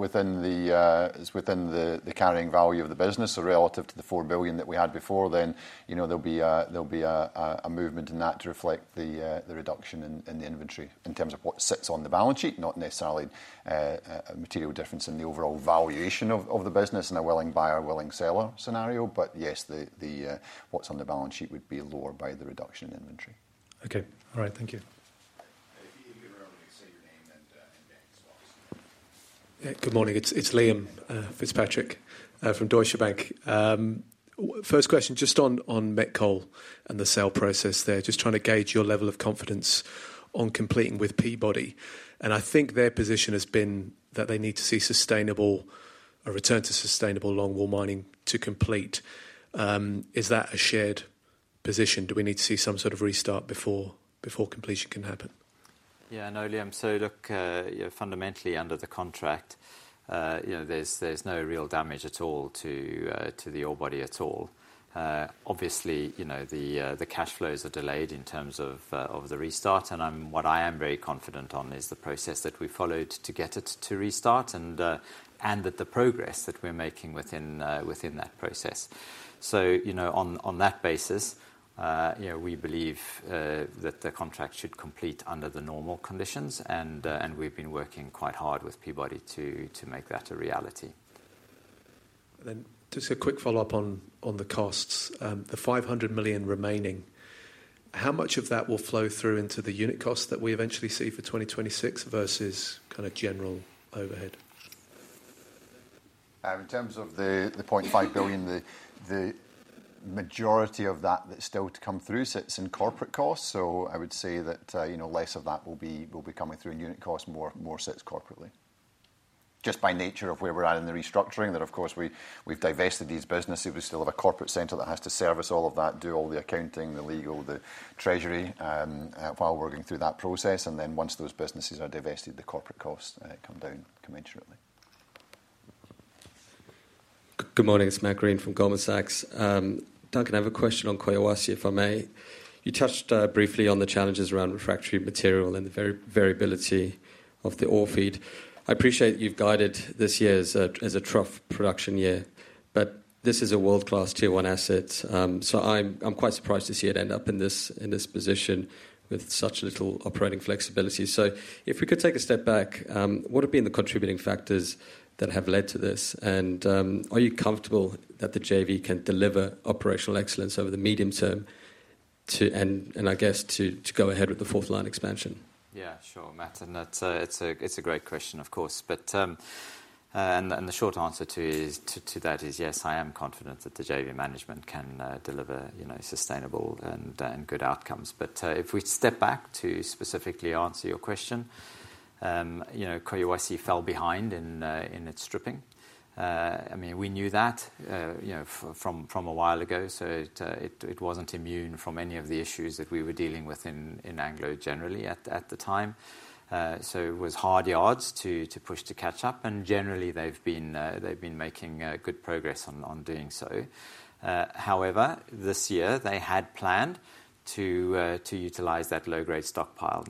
carrying value of the business. Relative to the $4 billion that we had before, there will be a movement in that to reflect the reduction in the inventory in terms of what sits on the balance sheet, not necessarily a material difference in the overall valuation of the business in a willing buyer, willing seller scenario. What's on the balance sheet would be lower by the reduction in inventory. Thank you. Good morning. It's Liam Fitzpatrick from Deutsche Bank. First question just on Metcal and the sale process there, just trying to gauge your level of confidence on completing with Peabody. I think their position has been that they need to see a return to sustainable longwall mining to complete. Is that a shared position? Do we need to see some sort of restart before completion can happen? No, Liam. Fundamentally under the contract, there's no real damage at all to the ore body. Obviously, the cash flows are delayed in terms of the restart. What I am very confident on is the process that we followed to get it to restart and the progress that we're making within that process. On that basis, we believe that the contract should complete under the normal conditions, and we've been working quite hard with Peabody to make that a reality. Just a quick follow-up on the costs, the $500 million remaining, how much of that will flow through into the unit costs that we eventually see for 2026 versus kind of general overhead? In terms of the $0.5 billion, the majority of that that's still to come through sits in corporate costs. I would say that less of that will be coming through in unit costs, more sits corporately. Just by nature of where we're at in the restructuring, that of course we've divested these businesses. We still have a corporate center that has to service all of that, do all the accounting, the legal, the treasury, while working through that process. Once those businesses are divested, the corporate costs come down commensurately. Good morning. It's Matt Greene from Goldman Sachs. Doug, can I have a question on Collahuasi if I may? You touched briefly on the challenges around refractory material and the variability of the ore feed. I appreciate that you've guided this year as a trough production year, but this is a world-class tier-one asset. I'm quite surprised to see it end up in this position with such little operating flexibility. If we could take a step back, what have been the contributing factors that have led to this? Are you comfortable that the JV can deliver operational excellence over the medium term, and go ahead with the fourth line expansion? Yeah, sure, Matt. It's a great question, of course. The short answer to that is yes, I am confident that the JV management can deliver sustainable and good outcomes. If we step back to specifically answer your question, Collahuasi fell behind in its stripping. We knew that from a while ago. It wasn't immune from any of the issues that we were dealing with in Anglo American generally at the time. It was hard yards to push to catch up, and generally, they've been making good progress on doing so. However, this year, they had planned to utilize that low-grade stockpile.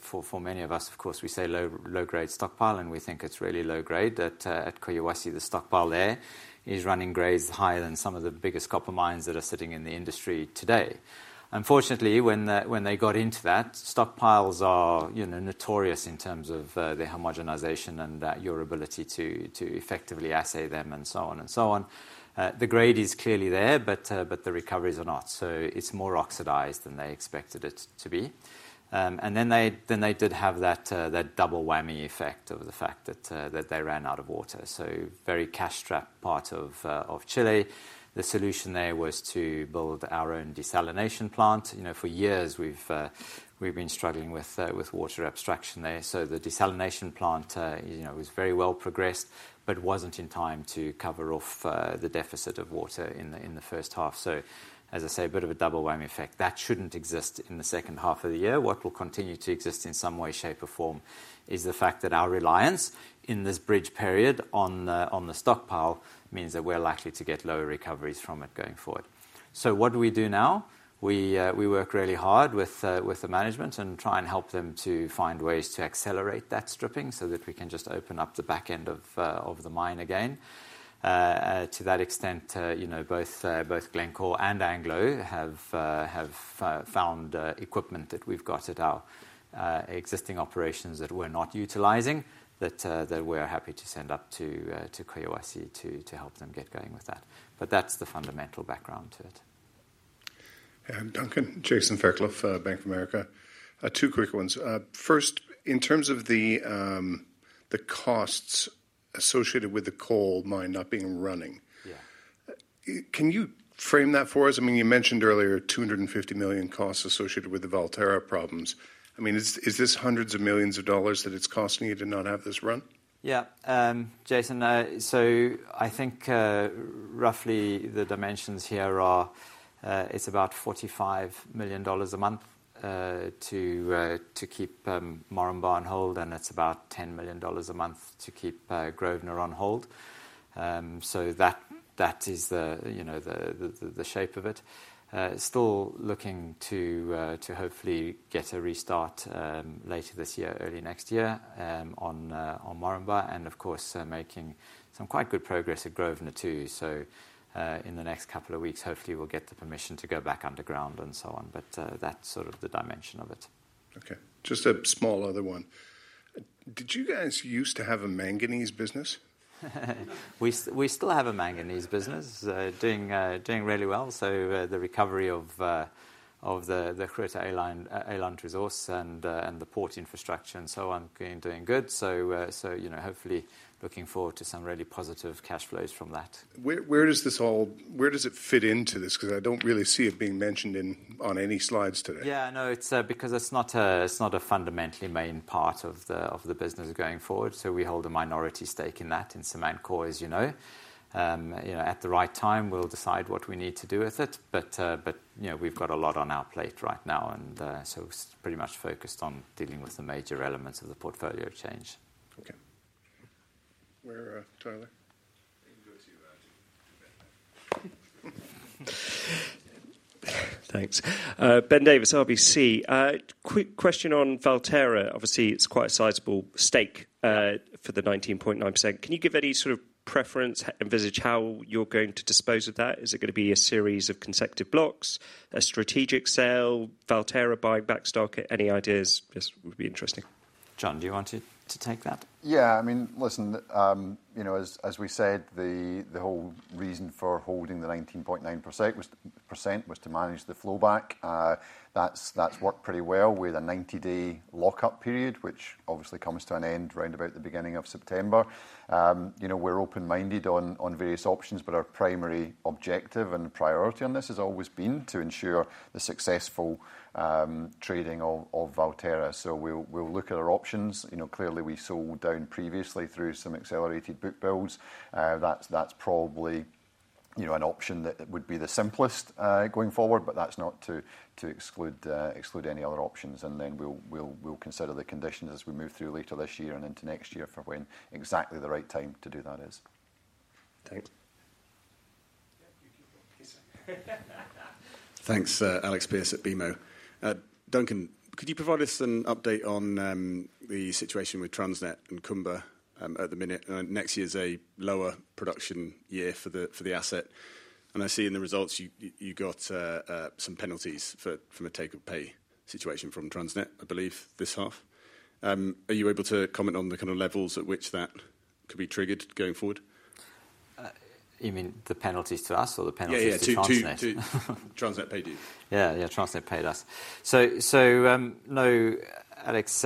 For many of us, of course, we say low-grade stockpile, and we think it's really low-grade, but at Collahuasi, the stockpile there is running grades higher than some of the biggest copper mines that are sitting in the industry today. Unfortunately, when they got into that, stockpiles are notorious in terms of the homogenization and your ability to effectively assay them and so on. The grade is clearly there, but the recoveries are not. It's more oxidized than they expected it to be. They did have that double whammy effect of the fact that they ran out of water. It's a very cash-strapped part of Chile. The solution there was to build our own desalination plant. For years, we've been struggling with water abstraction there. The desalination plant was very well progressed, but wasn't in time to cover off the deficit of water in the first half. As I say, a bit of a double whammy effect. That shouldn't exist in the second half of the year. What will continue to exist in some way, shape, or form is the fact that our reliance in this bridge period on the stockpile means that we're likely to get lower recoveries from it going forward. What do we do now? We work really hard with the management and try and help them to find ways to accelerate that stripping so that we can just open up the back end of the mine again. To that extent, both Glencore and Anglo American have found equipment that we've got at our existing operations that we're not utilizing that we're happy to send up to Collahuasi to help them get going with that. That's the fundamental background to it. Duncan, Jason Fairclough, Bank of America. Two quick ones. First, in terms of the costs associated with the coal mine not being running, can you frame that for us? You mentioned earlier $250 million costs associated with the Valterra problems. Is this hundreds of millions of dollars that it's costing you to not have this run? Yeah. Jason, I think roughly the dimensions here are it's about $45 million a month to keep Moranbah on hold, and it's about $10 million a month to keep Grosvenor on hold. That is the shape of it. Still looking to hopefully get a restart later this year, early next year on Moranbah. Of course, making some quite good progress at Grosvenor too. In the next couple of weeks, hopefully we'll get the permission to go back underground and so on. That's the dimension of it. Okay. Just a small other one. Did you guys used to have a manganese business? We still have a manganese business. Doing really well. The recovery of the critical alum resource and the port infrastructure and so on, doing good. Hopefully looking forward to some really positive cash flows from that. Where does this all, where does it fit into this? I don't really see it being mentioned on any slides today. Yeah, no, it's because it's not a fundamentally main part of the business going forward. We hold a minority stake in that in Samancor, as you know. At the right time, we'll decide what we need to do with it. We've got a lot on our plate right now, and it's pretty much focused on dealing with the major elements of the portfolio change. Where Tyler? Thanks. Ben Davis, RBC. Quick question on Valterra. Obviously, it's quite a sizable stake for the 19.9%. Can you give any sort of preference and envisage how you're going to dispose of that? Is it going to be a series of consecutive blocks, a strategic sale, Valterra buying back stock? Any ideas? Just would be interesting. John, do you want to take that? Yeah. I mean, listen. As we said, the whole reason for holding the 19.9% was to manage the flow back. That's worked pretty well with a 90-day lockup period, which obviously comes to an end around the beginning of September. We're open-minded on various options, but our primary objective and priority on this has always been to ensure the successful trading of Valterra. We'll look at our options. Clearly, we sold down previously through some accelerated book builds. That's probably an option that would be the simplest going forward, but that's not to exclude any other options. We'll consider the conditions as we move through later this year and into next year for when exactly the right time to do that is. Thanks. Thanks, Alex Pearce at BMO. Duncan, could you provide us an update on the situation with Transnet and Kumba at the minute? Next year is a lower production year for the asset. I see in the results you got some penalties from a take-or-pay situation from Transnet, I believe, this half. Are you able to comment on the kind of levels at which that could be triggered going forward? You mean the penalties to us or the penalties to Transnet? Transnet paid you. Yeah, yeah, Transnet paid us. No, Alex.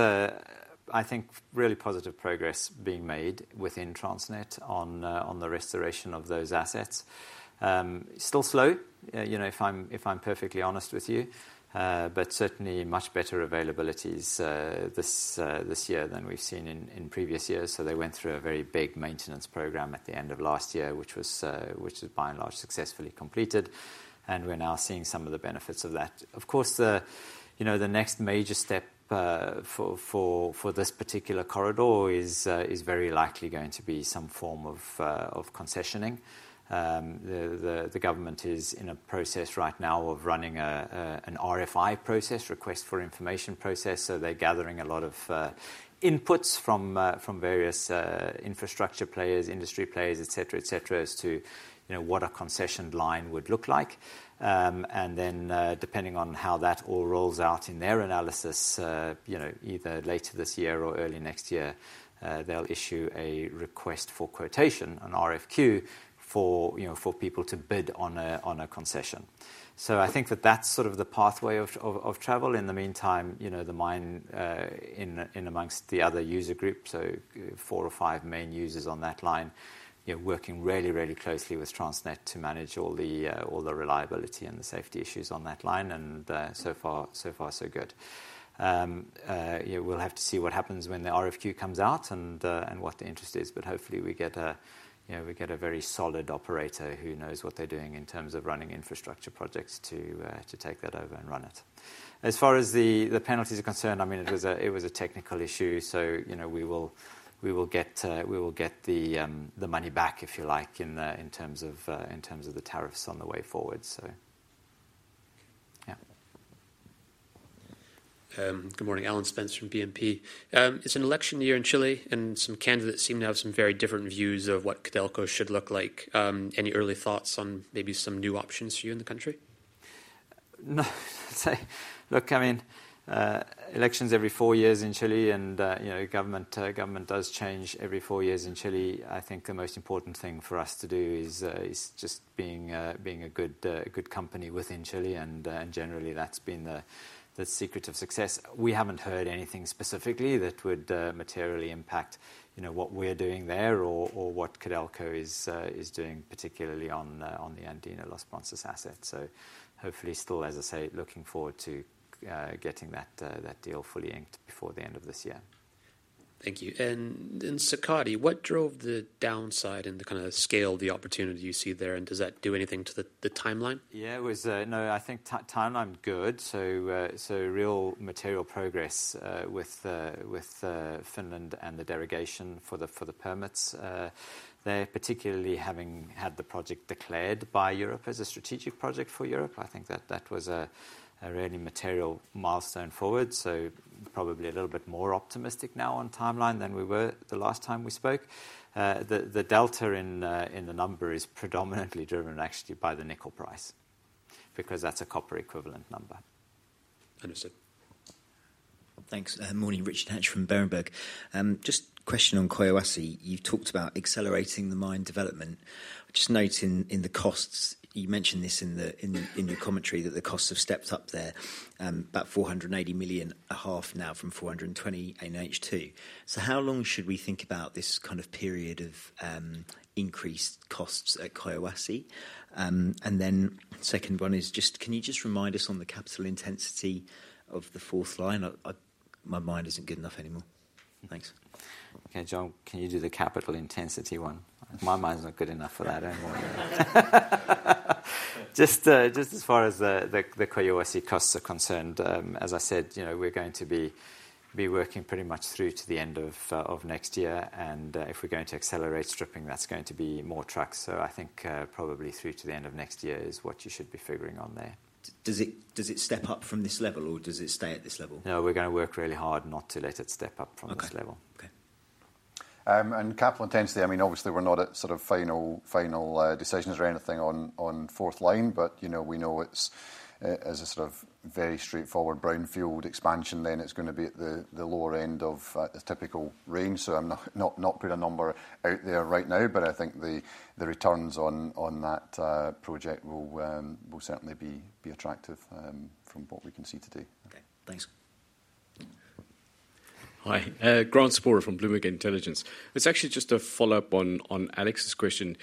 I think really positive progress is being made within Transnet on the restoration of those assets. Still slow, if I'm perfectly honest with you, but certainly much better availabilities this year than we've seen in previous years. They went through a very big maintenance program at the end of last year, which was by and large successfully completed. We're now seeing some of the benefits of that. Of course, the next major step for this particular corridor is very likely going to be some form of concessioning. The government is in a process right now of running an RFI process, request for information process. They're gathering a lot of inputs from various infrastructure players, industry players, etc., as to what a concessioned line would look like. Depending on how that all rolls out in their analysis, either later this year or early next year, they'll issue a request for quotation, an RFQ, for people to bid on a concession. I think that that's sort of the pathway of travel. In the meantime, the mine in amongst the other user group, so four or five main users on that line, working really, really closely with Transnet to manage all the reliability and the safety issues on that line. So far, so good. We'll have to see what happens when the RFQ comes out and what the interest is. Hopefully we get a very solid operator who knows what they're doing in terms of running infrastructure projects to take that over and run it. As far as the penalties are concerned, it was a technical issue. We will get the money back, if you like, in terms of the tariffs on the way forward. Good morning. Alan Spence from BNP. It's an election year in Chile, and some candidates seem to have some very different views of what Codelco should look like. Any early thoughts on maybe some new options for you in the country? No. Elections every four years in Chile, and government does change every four years in Chile. I think the most important thing for us to do is just being a good company within Chile. Generally, that's been the secret of success. We haven't heard anything specifically that would materially impact what we're doing there or what Codelco is doing, particularly on the Andina Los Bronces asset. Hopefully still, as I say, looking forward to getting that deal fully inked before the end of this year. Thank you. In Sakatti, what drove the downside and the kind of scale of the opportunity you see there? Does that do anything to the timeline? It was, no, I think timeline good. Real material progress with Finland and the delegation for the permits, particularly having had the project declared by Europe as a strategic project for Europe. I think that was a really material milestone forward. Probably a little bit more optimistic now on timeline than we were the last time we spoke. The delta in the number is predominantly driven actually by the nickel price because that's a copper equivalent number. Understood. Thanks. Morning, Richard Hatch from Berenberg. Just question on Collahuasi. You've talked about accelerating the mine development. Just note in the costs, you mentioned this in your commentary that the costs have stepped up there, about $480 million a half now from $420 million in H2. How long should we think about this kind of period of increased costs at Collahuasi? Second one is just, can you just remind us on the capital intensity of the fourth line? My mind isn't good enough anymore. Thanks. Okay, John, can you do the capital intensity one? My mind's not good enough for that anymore. Just as far as the Koyawasi costs are concerned, as I said, we're going to be working pretty much through to the end of next year. If we're going to accelerate stripping, that's going to be more trucks. I think probably through to the end of next year is what you should be figuring on there. Does it step up from this level or does it stay at this level? No, we're going to work really hard not to let it step up from this level. Okay. Capital intensity, I mean, obviously we're not at sort of final decisions or anything on fourth line, but we know it's as a sort of very straightforward brownfield expansion, then it's going to be at the lower end of the typical range. I'm not putting a number out there right now, but I think the returns on that project will certainly be attractive from what we can see today. Okay. Thanks. Hi. Grant Sporre from Bloomberg Intelligence. It's actually just a follow-up on Alex's question.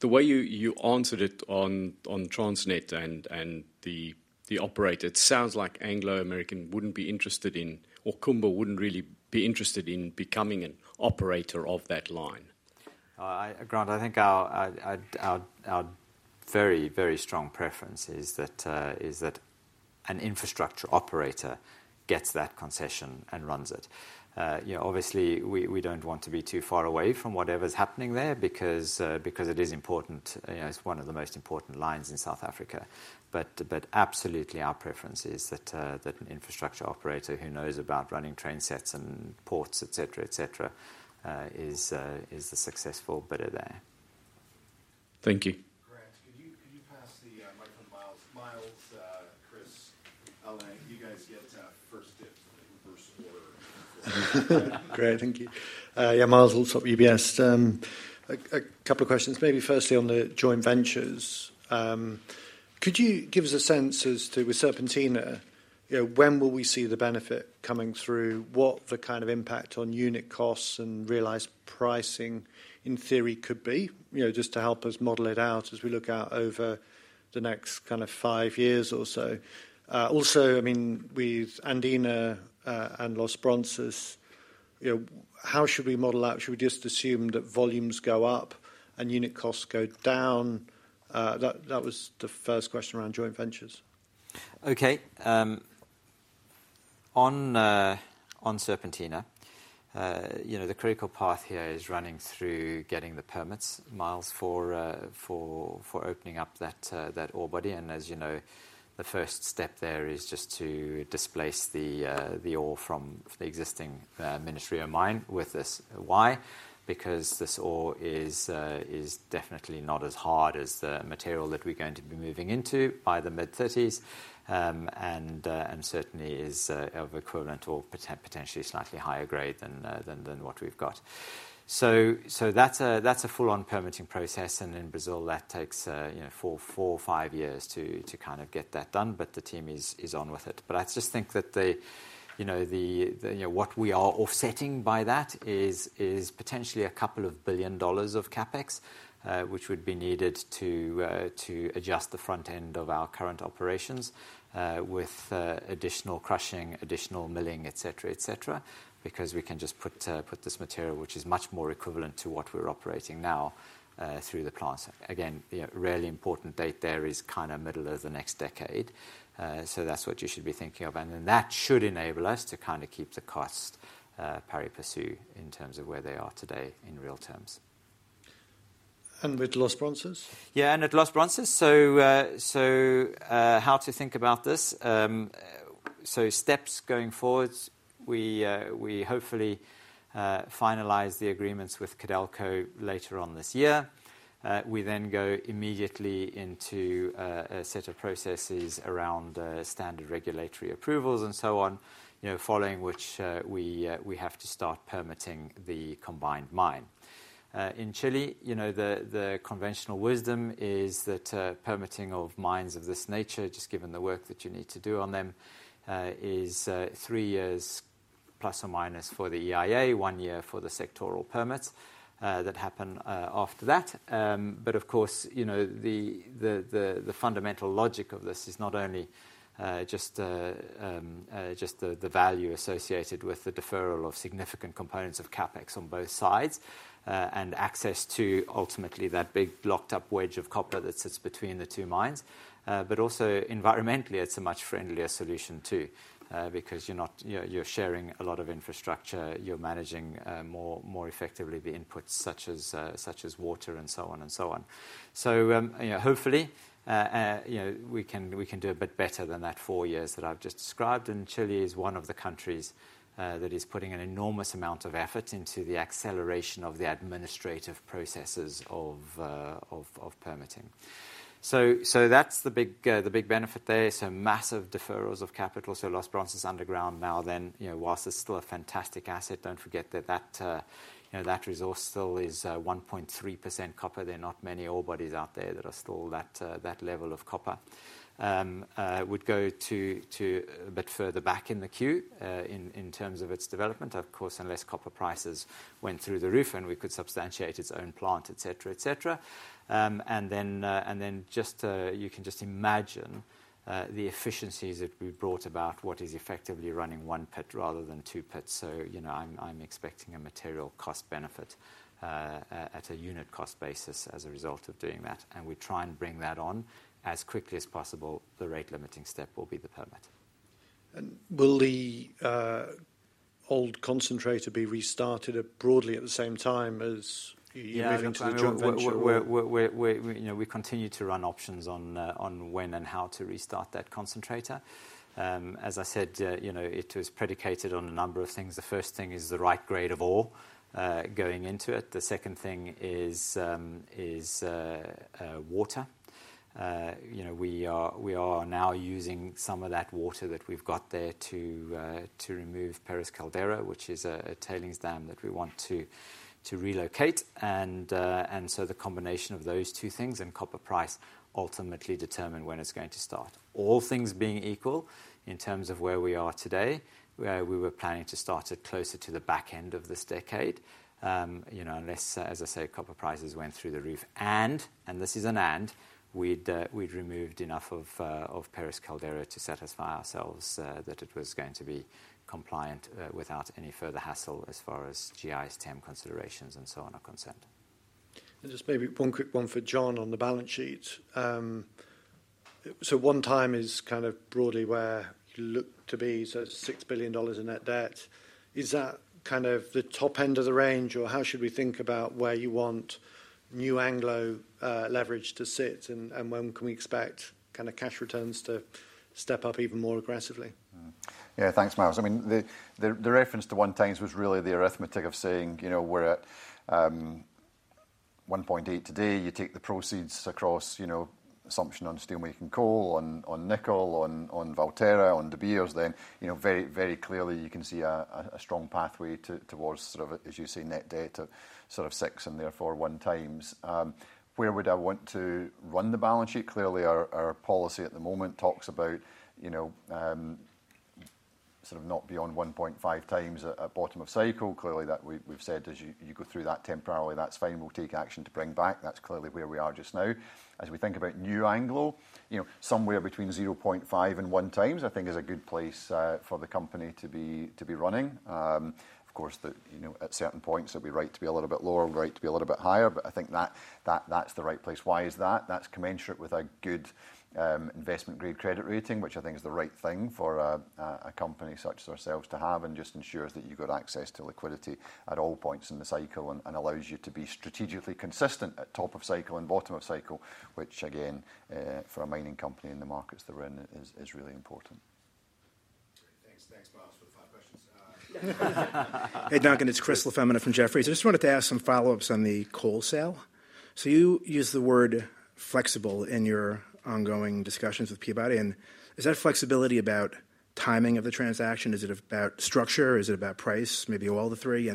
The way you answered it on Transnet and the operator, it sounds like Anglo American wouldn't be interested in, or Kumba wouldn't really be interested in becoming an operator of that line. Grant, I think our very, very strong preference is that an infrastructure operator gets that concession and runs it. Obviously, we don't want to be too far away from whatever's happening there because it is important. It's one of the most important lines in South Africa. Absolutely our preference is that an infrastructure operator who knows about running trainsets and ports, etc., etc., is the successful bidder there. Thank you. Grant, could you pass the mic on? Miles, Chris, Alan, you guys get first dip, first order. Great, thank you. Yeah, Miles, also UBS. A couple of questions, maybe firstly on the joint ventures. Could you give us a sense as to with Serpentina, when will we see the benefit coming through, what the kind of impact on unit costs and realized pricing in theory could be, just to help us model it out as we look out over the next kind of five years or so? Also, with Andina and Los Bronces, how should we model out? Should we just assume that volumes go up and unit costs go down? That was the first question around joint ventures. On Serpentina, the critical path here is running through getting the permits, Miles, for opening up that ore body. As you know, the first step there is just to displace the ore from the existing Ministry of Mine. Why? Because this ore is definitely not as hard as the material that we're going to be moving into by the mid-2030s and certainly is of equivalent or potentially slightly higher grade than what we've got. That is a full-on permitting process, and in Brazil, that takes four or five years to get that done. The team is on with it. What we are offsetting by that is potentially a couple of billion dollars of CapEx, which would be needed to adjust the front end of our current operations with additional crushing, additional milling, etc., because we can just put this material, which is much more equivalent to what we're operating now, through the plants. A really important date there is kind of middle of the next decade, so that's what you should be thinking of. That should enable us to keep the cost paripecue in terms of where they are today in real terms. With Los Bronces? Yeah, at Los Bronces, how to think about this? Steps going forward, we hopefully finalize the agreements with Codelco later on this year. We then go immediately into a set of processes around standard regulatory approvals and so on, following which we have to start permitting the combined mine in Chile. The conventional wisdom is that permitting of mines of this nature, just given the work that you need to do on them, is three years plus or minus for the EIA, one year for the sectoral permits that happen after that. The fundamental logic of this is not only the value associated with the deferral of significant components of CapEx on both sides and access to ultimately that big locked-up wedge of copper that sits between the two mines, but also environmentally, it's a much friendlier solution too because you're sharing a lot of infrastructure. You're managing more effectively the inputs such as water and so on. Hopefully, we can do a bit better than that four years that I've just described. Chile is one of the countries that is putting an enormous amount of effort into the acceleration of the administrative processes of permitting. That is the big benefit there. Massive deferrals of capital. Los Bronces underground now, whilst it's still a fantastic asset, don't forget that resource still is 1.3% copper. There are not many ore bodies out there that are still that level of copper. Would go to a bit further back in the queue in terms of its development, of course, unless copper prices went through the roof and we could substantiate its own plant, etc., etc. You can just imagine the efficiencies that we brought about what is effectively running one pit rather than two pits. I'm expecting a material cost-benefit at a unit cost basis as a result of doing that. We try and bring that on as quickly as possible. The rate limiting step will be the permit. Will the old concentrator be restarted broadly at the same time as you're moving to the joint venture? We continue to run options on when and how to restart that concentrator. As I said, it was predicated on a number of things. The first thing is the right grade of ore going into it. The second thing is water. We are now using some of that water that we've got there to remove Perez Caldera, which is a tailings dam that we want to relocate. The combination of those two things and copper price ultimately determined when it's going to start. All things being equal in terms of where we are today, we were planning to start it closer to the back end of this decade, unless, as I say, copper prices went through the roof. This is an and, we'd removed enough of Perez Caldera to satisfy ourselves that it was going to be compliant without any further hassle as far as GIS, TEM considerations, and so on are concerned. Maybe one quick one for John on the balance sheet. One time is kind of broadly where you look to be, so it's $6 billion in net debt. Is that kind of the top end of the range, or how should we think about where you want new Anglo leverage to sit, and when can we expect kind of cash returns to step up even more aggressively? Yeah, thanks, Miles. The reference to one time was really the arithmetic of saying we're at 1.8 today. You take the proceeds across assumption on steelmaking coal, on nickel, on Valterra, on De Beers, then very clearly you can see a strong pathway towards sort of, as you say, net debt of sort of $6 billion and therefore one times. Where would I want to run the balance sheet? Clearly, our policy at the moment talks about sort of not beyond 1.5 times at bottom of cycle. Clearly, that we've said as you go through that temporarily, that's fine. We'll take action to bring back. That's clearly where we are just now. As we think about new Anglo American, somewhere between 0.5 and 1 times, I think is a good place for the company to be running. Of course, at certain points, it'll be right to be a little bit lower, right to be a little bit higher, but I think that's the right place. Why is that? That's commensurate with a good investment-grade credit rating, which I think is the right thing for a company such as ourselves to have, and just ensures that you've got access to liquidity at all points in the cycle and allows you to be strategically consistent at top of cycle. of cycle, which again, for a mining company and the markets they're in, is really important. Thanks, thanks, Miles, for the five questions. Hey, Duncan, it's Chris LaFemina from Jefferies. I just wanted to ask some follow-ups on the coal sale. You use the word "flexible" in your ongoing discussions with Peabody. Is that flexibility about timing of the transaction? Is it about structure? Is it about price, maybe all three?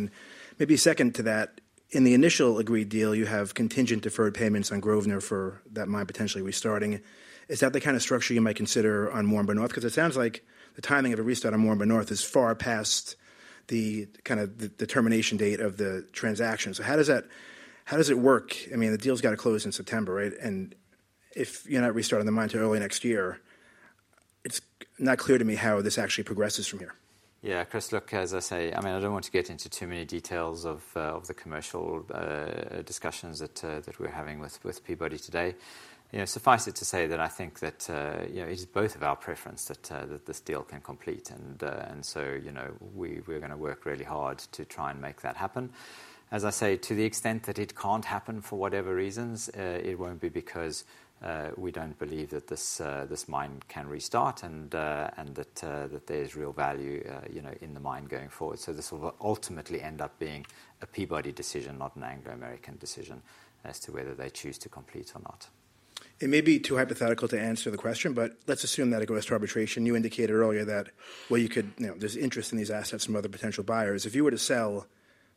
Second to that, in the initial agreed deal, you have contingent deferred payments on Grosvenor for that mine potentially restarting. Is that the kind of structure you might consider on Moranbah North? It sounds like the timing of a restart on Moranbah North is far past the termination date of the transaction. How does that work? The deal's got to close in September, right? If you're not restarting the mine until early next year, it's not clear to me how this actually progresses from here. Yeah, Chris, as I say, I don't want to get into too many details of the commercial discussions that we're having with Peabody today. Suffice it to say that I think that it is both of our preference that this deal can complete, and we're going to work really hard to try and make that happen. As I say, to the extent that it can't happen for whatever reasons, it won't be because we don't believe that this mine can restart and that there's real value in the mine going forward. This will ultimately end up being a Peabody decision, not an Anglo American decision, as to whether they choose to complete or not. It may be too hypothetical to answer the question, but let's assume that it goes to arbitration. You indicated earlier that you could, you know, there's interest in these assets from other potential buyers. If you were to sell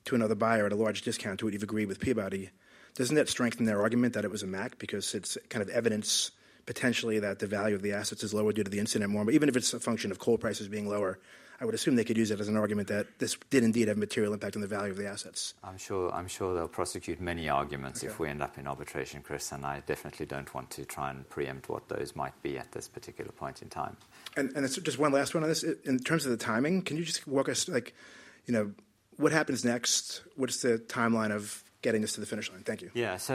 to another buyer at a large discount, would you have agreed with Peabody? Doesn't that strengthen their argument that it was a MAC? Because it's kind of evidence potentially that the value of the assets is lower due to the incident in Moranban? Even if it's a function of coal prices being lower, I would assume they could use it as an argument that this did indeed have a material impact on the value of the assets. I'm sure they'll prosecute many arguments if we end up in arbitration, Chris, and I definitely don't want to try and preempt what those might be at this particular point in time. Just one last one on this. In terms of the timing, can you walk us, like, you know, what happens next? What's the timeline of getting this to the finish line? Thank you. Yeah, as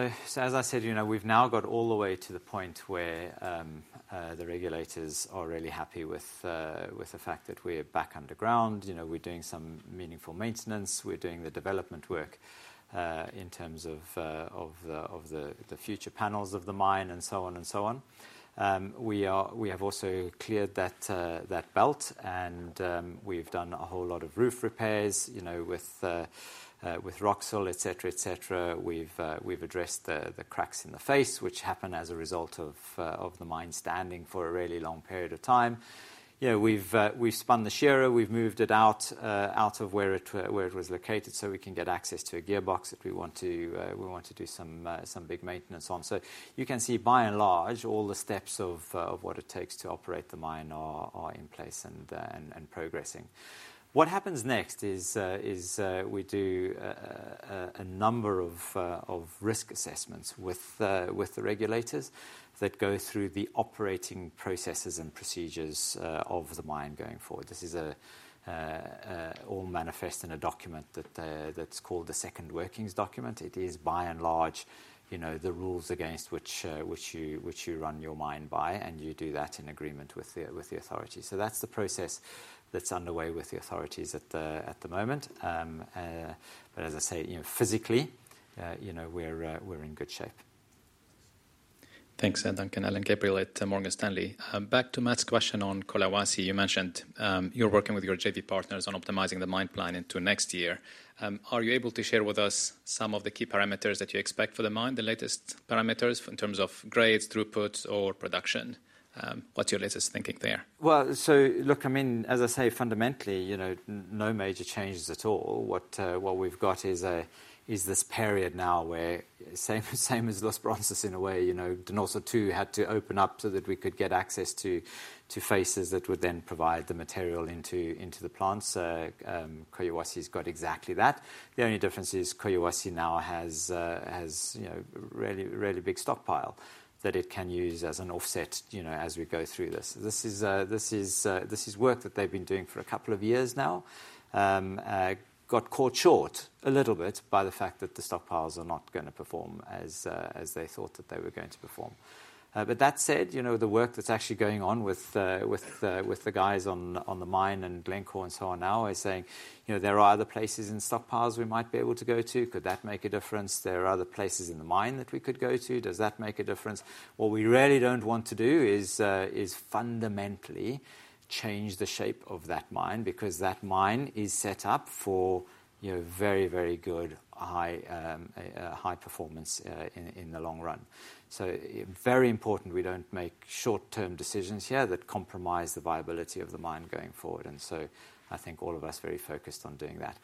I said, we've now got all the way to the point where the regulators are really happy with the fact that we're back underground. We're doing some meaningful maintenance and we're doing the development work in terms of the future panels of the mine and so on. We have also cleared that belt, and we've done a whole lot of roof repairs with rock sill, et cetera. We've addressed the cracks in the face, which happened as a result of the mine standing for a really long period of time. We've spun the shearer and we've moved it out of where it was located so we can get access to a gearbox if we want to do some big maintenance on it. You can see, by and large, all the steps of what it takes to operate the mine are in place and progressing. What happens next is we do a number of risk assessments with the regulators that go through the operating processes and procedures of the mine going forward. This is all manifest in a document that's called the second workings document. It is, by and large, the rules against which you run your mine by, and you do that in agreement with the authorities. That's the process that's underway with the authorities at the moment. As I say, physically, we're in good shape. Thanks, Duncan. Alain Gabriel at Morgan Stanley. Back to Matt's question on Collahuasi, you mentioned you're working with your JV partners on optimizing the mine plan into next year. Are you able to share with us some of the key parameters that you expect for the mine, the latest parameters in terms of grades, throughputs, or production? What's your latest thinking there? I mean, as I say, fundamentally, you know, no major changes at all. What we've got is this period now where, same as Los Bronces in a way, you know, Denosa II had to open up so that we could get access to faces that would then provide the material into the plants. Colawasi's got exactly that. The only difference is Colawasi now has a really big stockpile that it can use as an offset, you know, as we go through this. This is work that they've been doing for a couple of years now. Got caught short a little bit by the fact that the stockpiles are not going to perform as they thought that they were going to perform. That said, you know, the work that's actually going on with the guys on the mine and Glencore and so on now is saying, you know, there are other places in stockpiles we might be able to go to. Could that make a difference? There are other places in the mine that we could go to. Does that make a difference? What we really don't want to do is fundamentally change the shape of that mine because that mine is set up for very, very good high performance in the long run. It is very important we don't make short-term decisions here that compromise the viability of the mine going forward. I think all of us are very focused on doing that.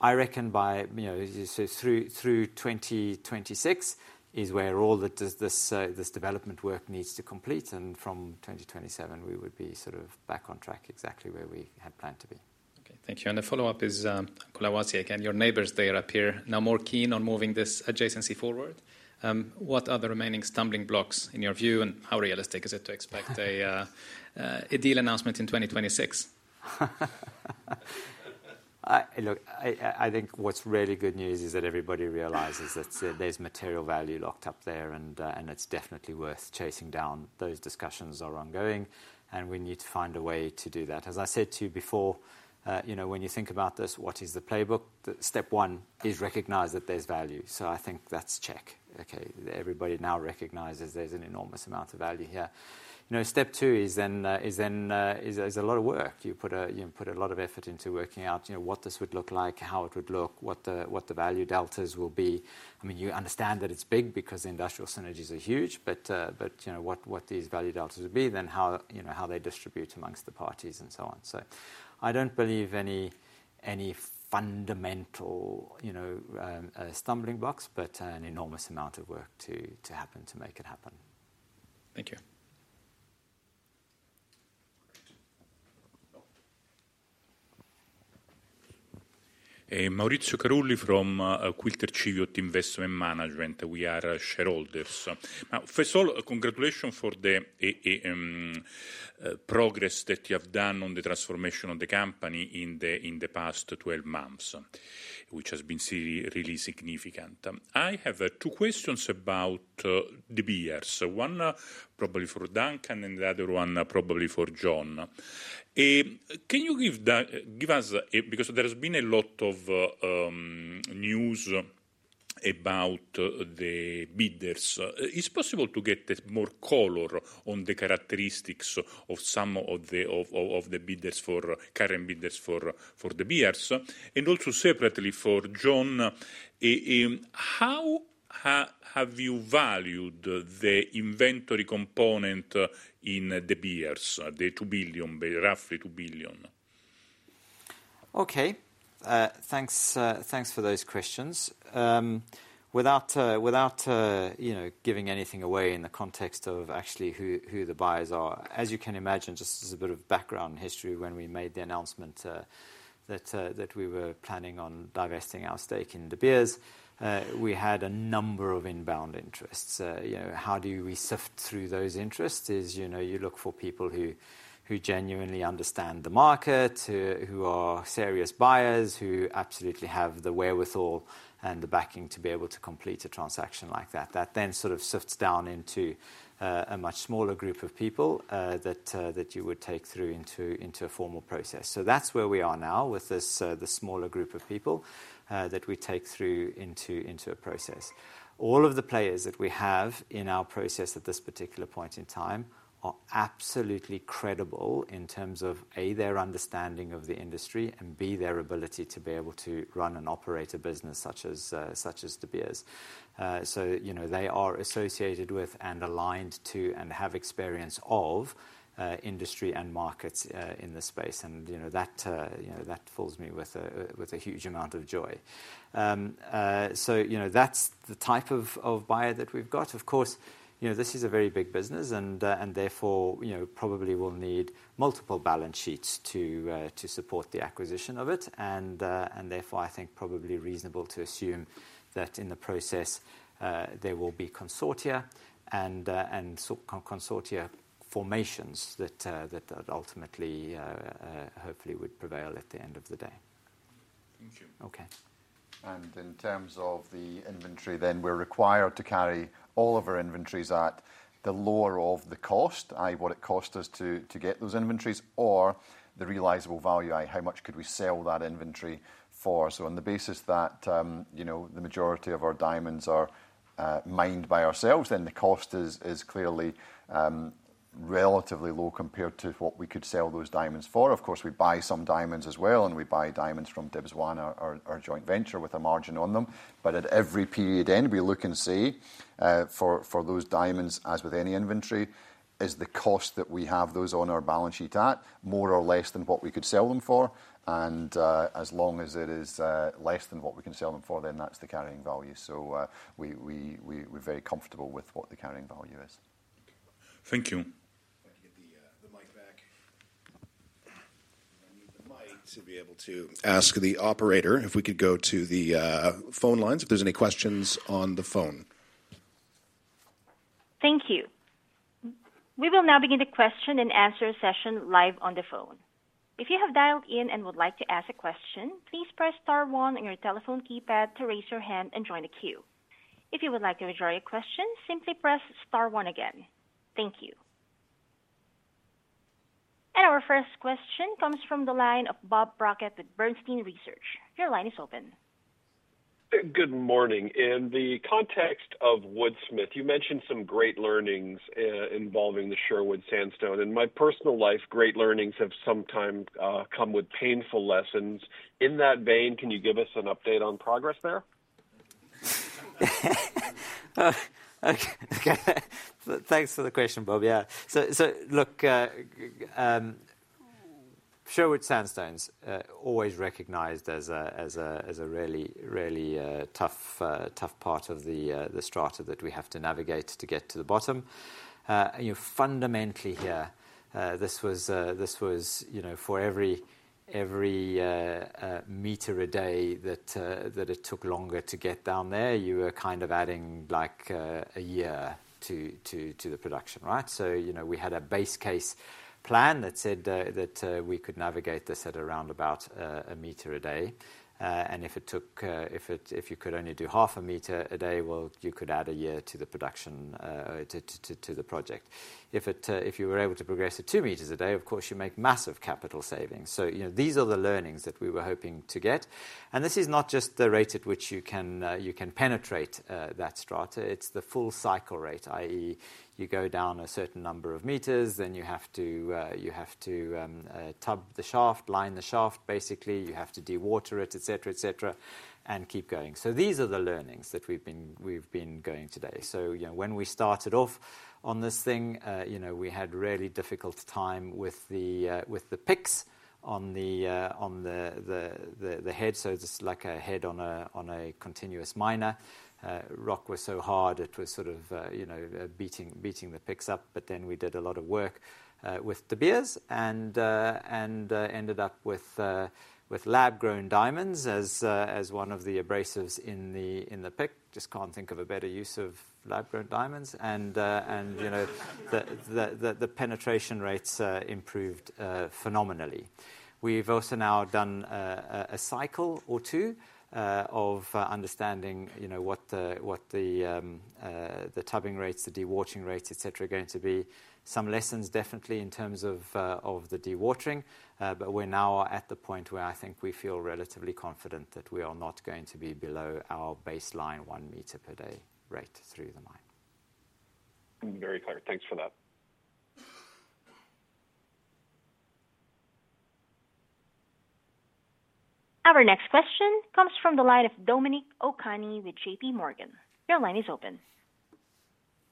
I reckon by, you know, through 2026 is where all this development work needs to complete. From 2027, we would be sort of back on track exactly where we had planned to be. Okay, thank you. The follow-up is Collahuasi again, your neighbors there appear now more keen on moving this adjacency forward. What are the remaining stumbling blocks in your view, and how realistic is it to expect a deal announcement in 2026? Look, I think what's really good news is that everybody realizes that there's material value locked up there, and it's definitely worth chasing down. Those discussions are ongoing, and we need to find a way to do that. As I said to you before, when you think about this, what is the playbook? Step one is recognize that there's value. I think that's check. Okay, everybody now recognizes there's an enormous amount of value here. Step two is a lot of work. You put a lot of effort into working out what this would look like, how it would look, what the value deltas will be. I mean, you understand that it's big because the industrial synergies are huge, but you know what these value deltas would be, then how they distribute amongst the parties and so on. I don't believe any fundamental stumbling blocks, but an enormous amount of work to happen to make it happen. Thank you. Maurizio Carulli from Quilter Cheviot Investment Management. We are shareholders. First of all, congratulations for the progress that you have done on the transformation of the company in the past 12 months, which has been really significant. I have two questions about the bidders. One probably for Duncan and the other one probably for John. Can you give us, because there has been a lot of news about the bidders, is it possible to get more color on the characteristics of some of the bidders, current bidders? Also, separately for John, how have you valued the inventory component in the bidders, the $2 billion, the roughly $2 billion? Okay, thanks for those questions. Without giving anything away in the context of actually who the buyers are, as you can imagine, just as a bit of background history, when we made the announcement that we were planning on divesting our stake in De Beers, we had a number of inbound interests. How do we sift through those interests? You look for people who genuinely understand the market, who are serious buyers, who absolutely have the wherewithal and the backing to be able to complete a transaction like that. That then sort of sifts down into a much smaller group of people that you would take through into a formal process. That's where we are now with the smaller group of people that we take through into a process. All of the players that we have in our process at this particular point in time are absolutely credible in terms of, A, their understanding of the industry, and B, their ability to be able to run and operate a business such as De Beers. They are associated with and aligned to and have experience of industry and markets in the space. That fills me with a huge amount of joy. That's the type of buyer that we've got. Of course, this is a very big business, and therefore probably will need multiple balance sheets to support the acquisition of it. I think probably reasonable to assume that in the process there will be consortia and consortia formations that ultimately, hopefully would prevail at the end of the day. Thank you. Okay. In terms of the inventory then, we're required to carry all of our inventories at the lower of the cost, i.e., what it costs us to get those inventories, or the realizable value, i.e., how much could we sell that inventory for. On the basis that the majority of our diamonds are mined by ourselves, then the cost is clearly relatively low compared to what we could sell those diamonds for. Of course, we buy some diamonds as well, and we buy diamonds from Dibs One, our joint venture, with a margin on them. At every period end, we look and see for those diamonds, as with any inventory, is the cost that we have those on our balance sheet at more or less than what we could sell them for? As long as it is less than what we can sell them for, then that's the carrying value. We're very comfortable with what the carrying value is. Thank you. If I could get the mic back, I need the mic to be able to ask the operator if we could go to the phone lines, if there's any questions on the phone. Thank you. We will now begin the question and answer session live on the phone. If you have dialed in and would like to ask a question, please press star one on your telephone keypad to raise your hand and join the queue. If you would like to withdraw a question, simply press star one again. Thank you. Our first question comes from the line of Bob Brackett with Bernstein Research. Your line is open. Good morning. In the context of Woodsmith, you mentioned some great learnings involving the Sherwood Sandstone. In my personal life, great learnings have sometimes come with painful lessons. In that vein, can you give us an update on progress there? Thanks for the question, Bob. Yeah. So look, Sherwood Sandstone's always recognized as a really, really tough part of the strata that we have to navigate to get to the bottom. Fundamentally here, this was for every meter a day that it took longer to get down there, you were kind of adding like a year to the production, right? We had a base case plan that said that we could navigate this at around about a meter a day. If you could only do half a meter a day, you could add a year to the production, to the project. If you were able to progress to two meters a day, of course, you make massive capital savings. These are the learnings that we were hoping to get. This is not just the rate at which you can penetrate that strata. It's the full cycle rate, i.e., you go down a certain number of meters, then you have to tub the shaft, line the shaft, basically, you have to dewater it, et cetera, et cetera, and keep going. These are the learnings that we've been going today. When we started off on this thing, we had a really difficult time with the picks on the head. It's like a head on a continuous miner. Rock was so hard, it was sort of beating the picks up. We did a lot of work with the bidders and ended up with lab-grown diamonds as one of the abrasives in the pick. Just can't think of a better use of lab-grown diamonds. The penetration rates improved phenomenally. We've also now done a cycle or two of understanding what the tubbing rates, the dewatering rates, et cetera, are going to be. Some lessons definitely in terms of the dewatering. We now are at the point where I think we feel relatively confident that we are not going to be below our baseline one meter per day rate through the mine. Very clear. Thanks for that. Our next question comes from the line of Dominic Okani with J.P.Morgan. Your line is open.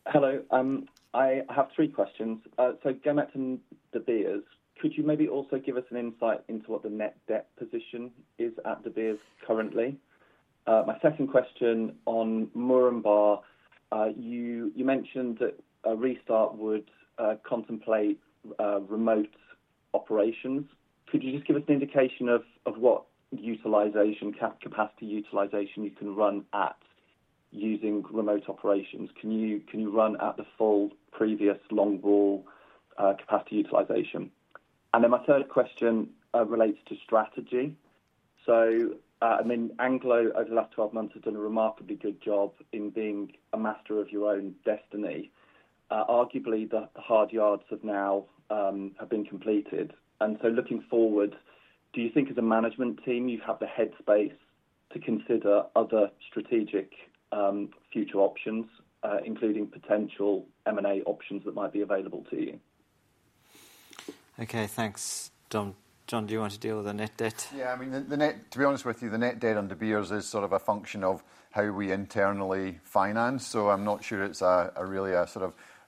Hello. I have three questions. Going back to the bidders, could you maybe also give us an insight into what the net debt position is at the bidders currently? My second question on Murumbar. You mentioned that Restart would contemplate remote operations. Could you just give us an indication of what utilization, capacity utilization you can run at using remote operations? Can you run at the full previous long-ball capacity utilization? My third question relates to strategy. I mean, Anglo American over the last 12 months has done a remarkably good job in being a master of your own destiny. Arguably, the hard yards have now been completed. Looking forward, do you think as a management team, you have the headspace to consider other strategic future options, including potential M&A options that might be available to you? Okay, thanks. John, do you want to deal with the net debt? Yeah, I mean, to be honest with you, the net debt on the bidders is sort of a function of how we internally finance. I'm not sure it's really a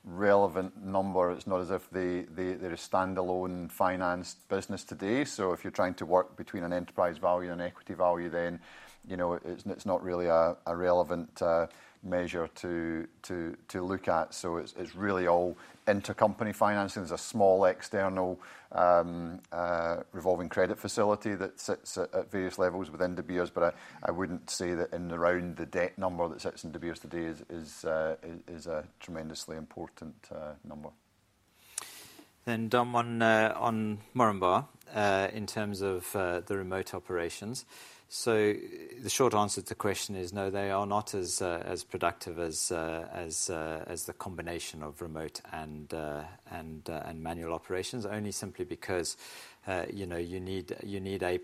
relevant number. It's not as if there is standalone finance business today. If you're trying to work between an enterprise value and an equity value, then it's not really a relevant measure to look at. It's really all intercompany financing. There's a small external revolving credit facility that sits at various levels within the bidders, but I wouldn't say that around the debt number that sits in the bidders today is a tremendously important number. On Murumbar in terms of the remote operations, the short answer to the question is no, they are not as productive as the combination of remote and manual operations, only simply because you need a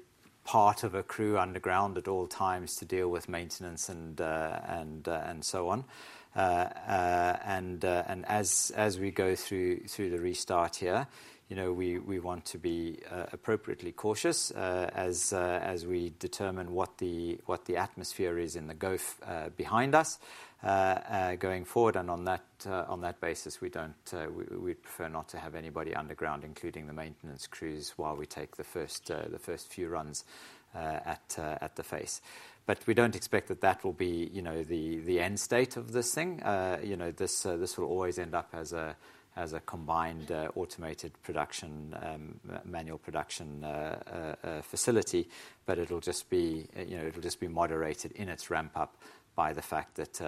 part of a crew underground at all times to deal with maintenance and so on. As we go through the restart here, we want to be appropriately cautious as we determine what the atmosphere is in the gulf behind us going forward. On that basis, we prefer not to have anybody underground, including the maintenance crews, while we take the first few runs at the face. We don't expect that will be the end state of this thing. This will always end up as a combined automated production and manual production facility, but it'll just be moderated in its ramp-up by the fact that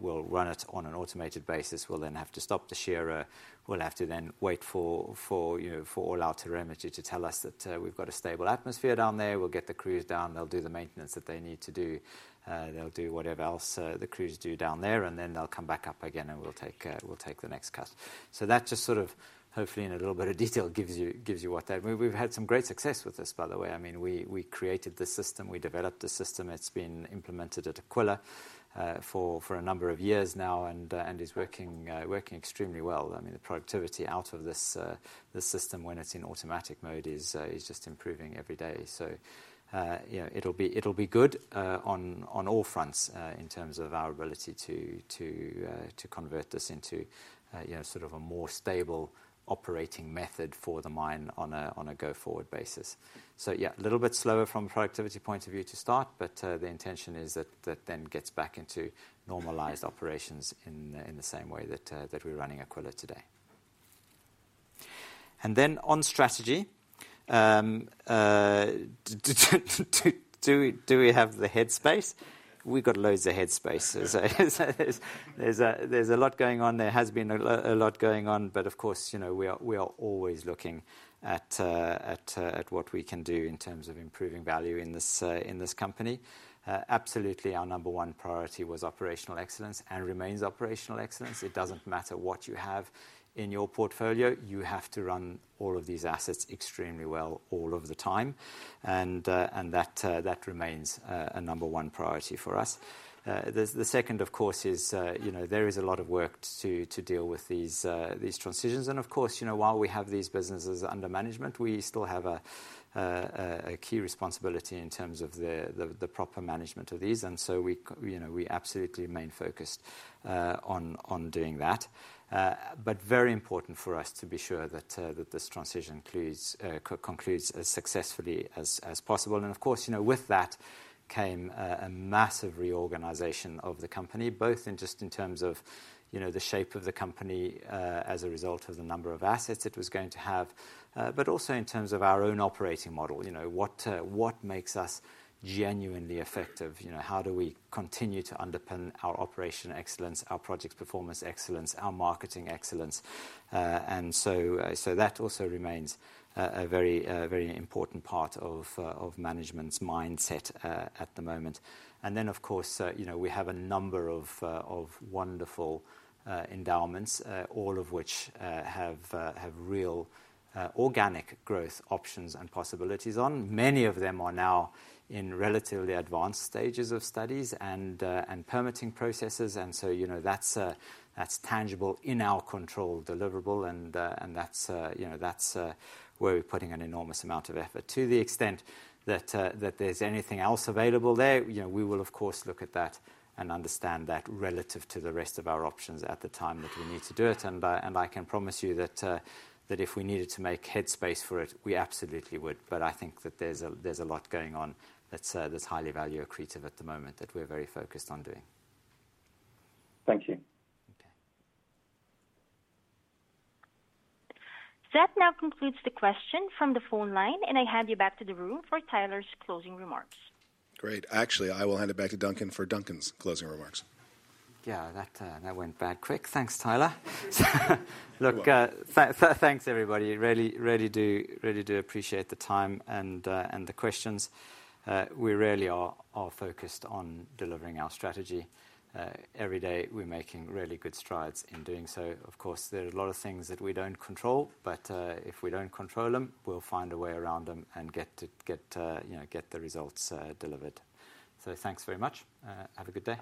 we'll run it on an automated basis. We'll then have to stop the shearer, wait for all-out heremity to tell us that we've got a stable atmosphere down there, get the crews down, they'll do the maintenance that they need to do, they'll do whatever else the crews do down there, and then they'll come back up again and we'll take the next cut. That just, hopefully in a little bit of detail, gives you what that means. We've had some great success with this, by the way. We created the system, we developed the system, it's been implemented at Aquila for a number of years now and is working extremely well. The productivity out of this system when it's in automatic mode is just improving every day. It'll be good on all fronts in terms of our ability to convert this into a more stable operating method for the mine on a go-forward basis. A little bit slower from a productivity point of view to start, but the intention is that then gets back into normalized operations in the same way that we're running Aquila today. On strategy, do we have the headspace? We've got loads of headspace. There's a lot going on. There has been a lot going on. Of course, we are always looking at what we can do in terms of improving value in this company. Absolutely, our number one priority was operational excellence and remains operational excellence. It doesn't matter what you have in your portfolio, you have to run all of these assets extremely well all of the time. That remains a number one priority for us. The second, of course, is there is a lot of work to deal with these transitions. Of course, while we have these businesses under management, we still have a key responsibility in terms of the proper management of these. We absolutely remain focused on doing that. It is very important for us to be sure that this transition concludes as successfully as possible. With that came a massive reorganization of the company, both in terms of the shape of the company as a result of the number of assets it was going to have, and in terms of our own operating model. What makes us genuinely effective? How do we continue to underpin our operational excellence, our project performance excellence, our marketing excellence? That also remains a very important part of management's mindset at the moment. We have a number of wonderful endowments, all of which have real organic growth options and possibilities. Many of them are now in relatively advanced stages of studies and permitting processes. That is tangible in our control deliverable, and that is where we're putting an enormous amount of effort. To the extent that there's anything else available there, we will look at that and understand that relative to the rest of our options at the time that we need to do it. I can promise you that if we needed to make headspace for it, we absolutely would. I think that there's a lot going on that's highly value accretive at the moment that we're very focused on doing. Thank you. That now concludes the question from the phone line. I hand you back to the room for Tyler's closing remarks. Great. Actually, I will hand it back to Duncan for Duncan's closing remarks. Thanks, Tyler. Thanks, everybody. Really do appreciate the time and the questions. We really are focused on delivering our strategy. Every day, we're making really good strides in doing so. Of course, there are a lot of things that we don't control, but if we don't control them, we'll find a way around them and get the results delivered. Thanks very much. Have a good day.